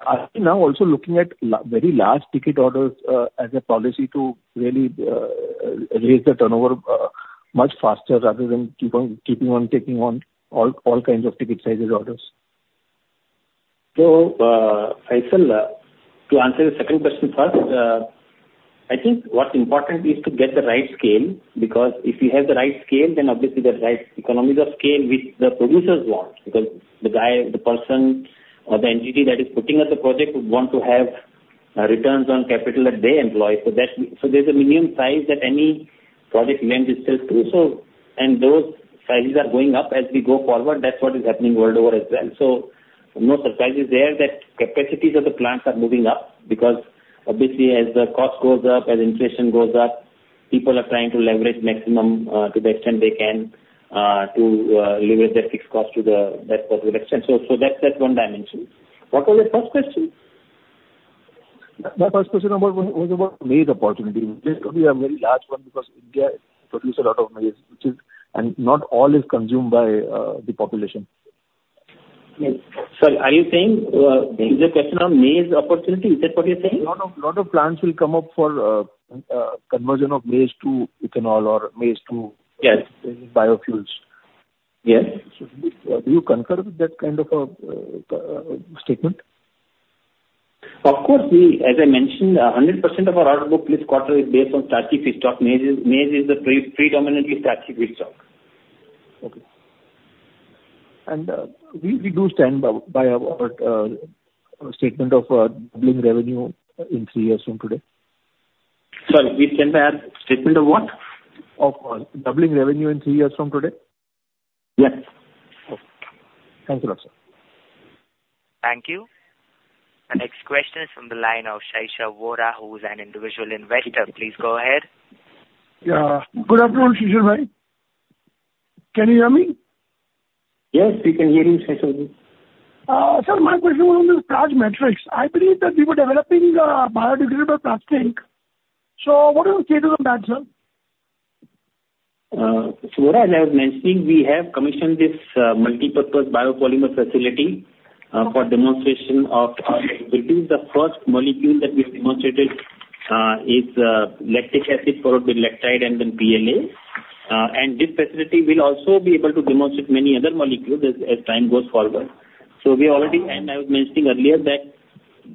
Speaker 18: are you now also looking at very large ticket orders as a policy to really raise the turnover much faster, rather than keep on taking on all kinds of ticket sizes orders?
Speaker 3: Faisal, to answer the second question first, I think what's important is to get the right scale, because if you have the right scale, then obviously the right economies of scale which the producers want, because the guy, the person or the entity that is putting up the project would want to have returns on capital that they employ. There's a minimum size that any project lender sells to. Those sizes are going up as we go forward. That's what is happening world over as well. No surprises there, that capacities of the plants are moving up, because obviously as the cost goes up, as inflation goes up, people are trying to leverage maximum to the extent they can to leverage their fixed cost to that particular extent. That's one dimension. What was your first question?
Speaker 18: My first question was about maize opportunity. This could be a very large one, because India produce a lot of maize, which is and not all is consumed by the population.
Speaker 3: Yes. Sir, are you saying, is the question on maize opportunity? Is that what you're saying?
Speaker 18: A lot of plants will come up for conversion of maize to ethanol or maize to-
Speaker 3: Yes.
Speaker 18: Biofuels.
Speaker 3: Yes.
Speaker 18: So do you concur with that kind of a statement?
Speaker 3: Of course, we, as I mentioned, 100% of our order book this quarter is based on starchy feedstock. Maize is the predominantly starchy feedstock.
Speaker 18: Okay. And we do stand by our statement of doubling revenue in three years from today?
Speaker 3: Sorry, we stand by our statement of what?
Speaker 18: Of doubling revenue in three years from today.
Speaker 3: Yes.
Speaker 18: Okay. Thank you, sir.
Speaker 1: Thank you. The next question is from the line of Shesha Vora, who is an individual investor. Please go ahead.
Speaker 3: Yeah. Good afternoon, Shesha Vora. Can you hear me? Yes, we can hear you, Shesha Vora. Sir, my question is on the metrics. I believe that we were developing a biodegradable plastic. So what are the stages on that, sir? As I was mentioning, we have commissioned this multipurpose biopolymer facility for demonstration of our technology. The first molecule that we've demonstrated is lactic acid for the lactide and then PLA. This facility will also be able to demonstrate many other molecules as time goes forward. I was mentioning earlier that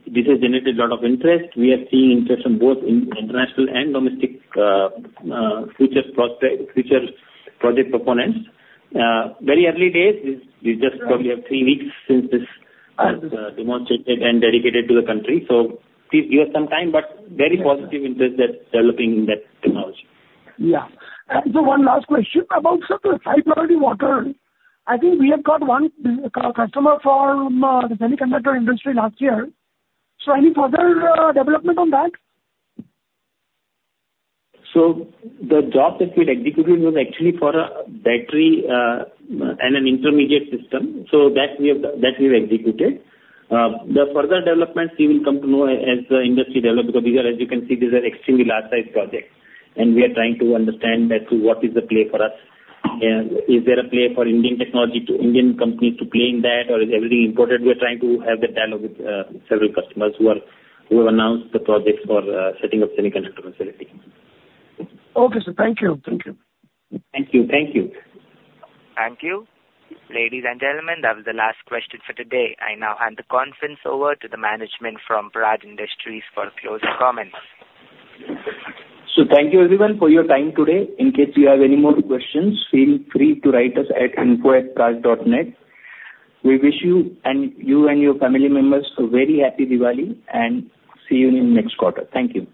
Speaker 3: this has generated a lot of interest. We are seeing interest from both international and domestic future project proponents. Very early days. We just probably have three weeks since this was demonstrated and dedicated to the country. Please give us some time, but very positive interest in developing that technology. Yeah. And so one last question about the high-purity water. I think we have got one customer from the semiconductor industry last year. So any further development on that? So the job that we'd executed was actually for a battery and an intermediate system. So that we have, that we've executed. The further developments you will come to know as the industry develop, because these are, as you can see, these are extremely large-sized projects, and we are trying to understand that what is the play for us, and is there a play for Indian technology to, Indian companies to play in that, or is everything imported? We are trying to have that dialogue with several customers who are, who have announced the projects for setting up semiconductor facilities. Okay, sir. Thank you. Thank you. Thank you. Thank you.
Speaker 1: Thank you. Ladies and gentlemen, that was the last question for today. I now hand the conference over to the management from Praj Industries for closing comments.
Speaker 3: Thank you everyone for your time today. In case you have any more questions, feel free to write us at info@praj.net. We wish you and your family members a very happy Diwali, and see you in next quarter. Thank you.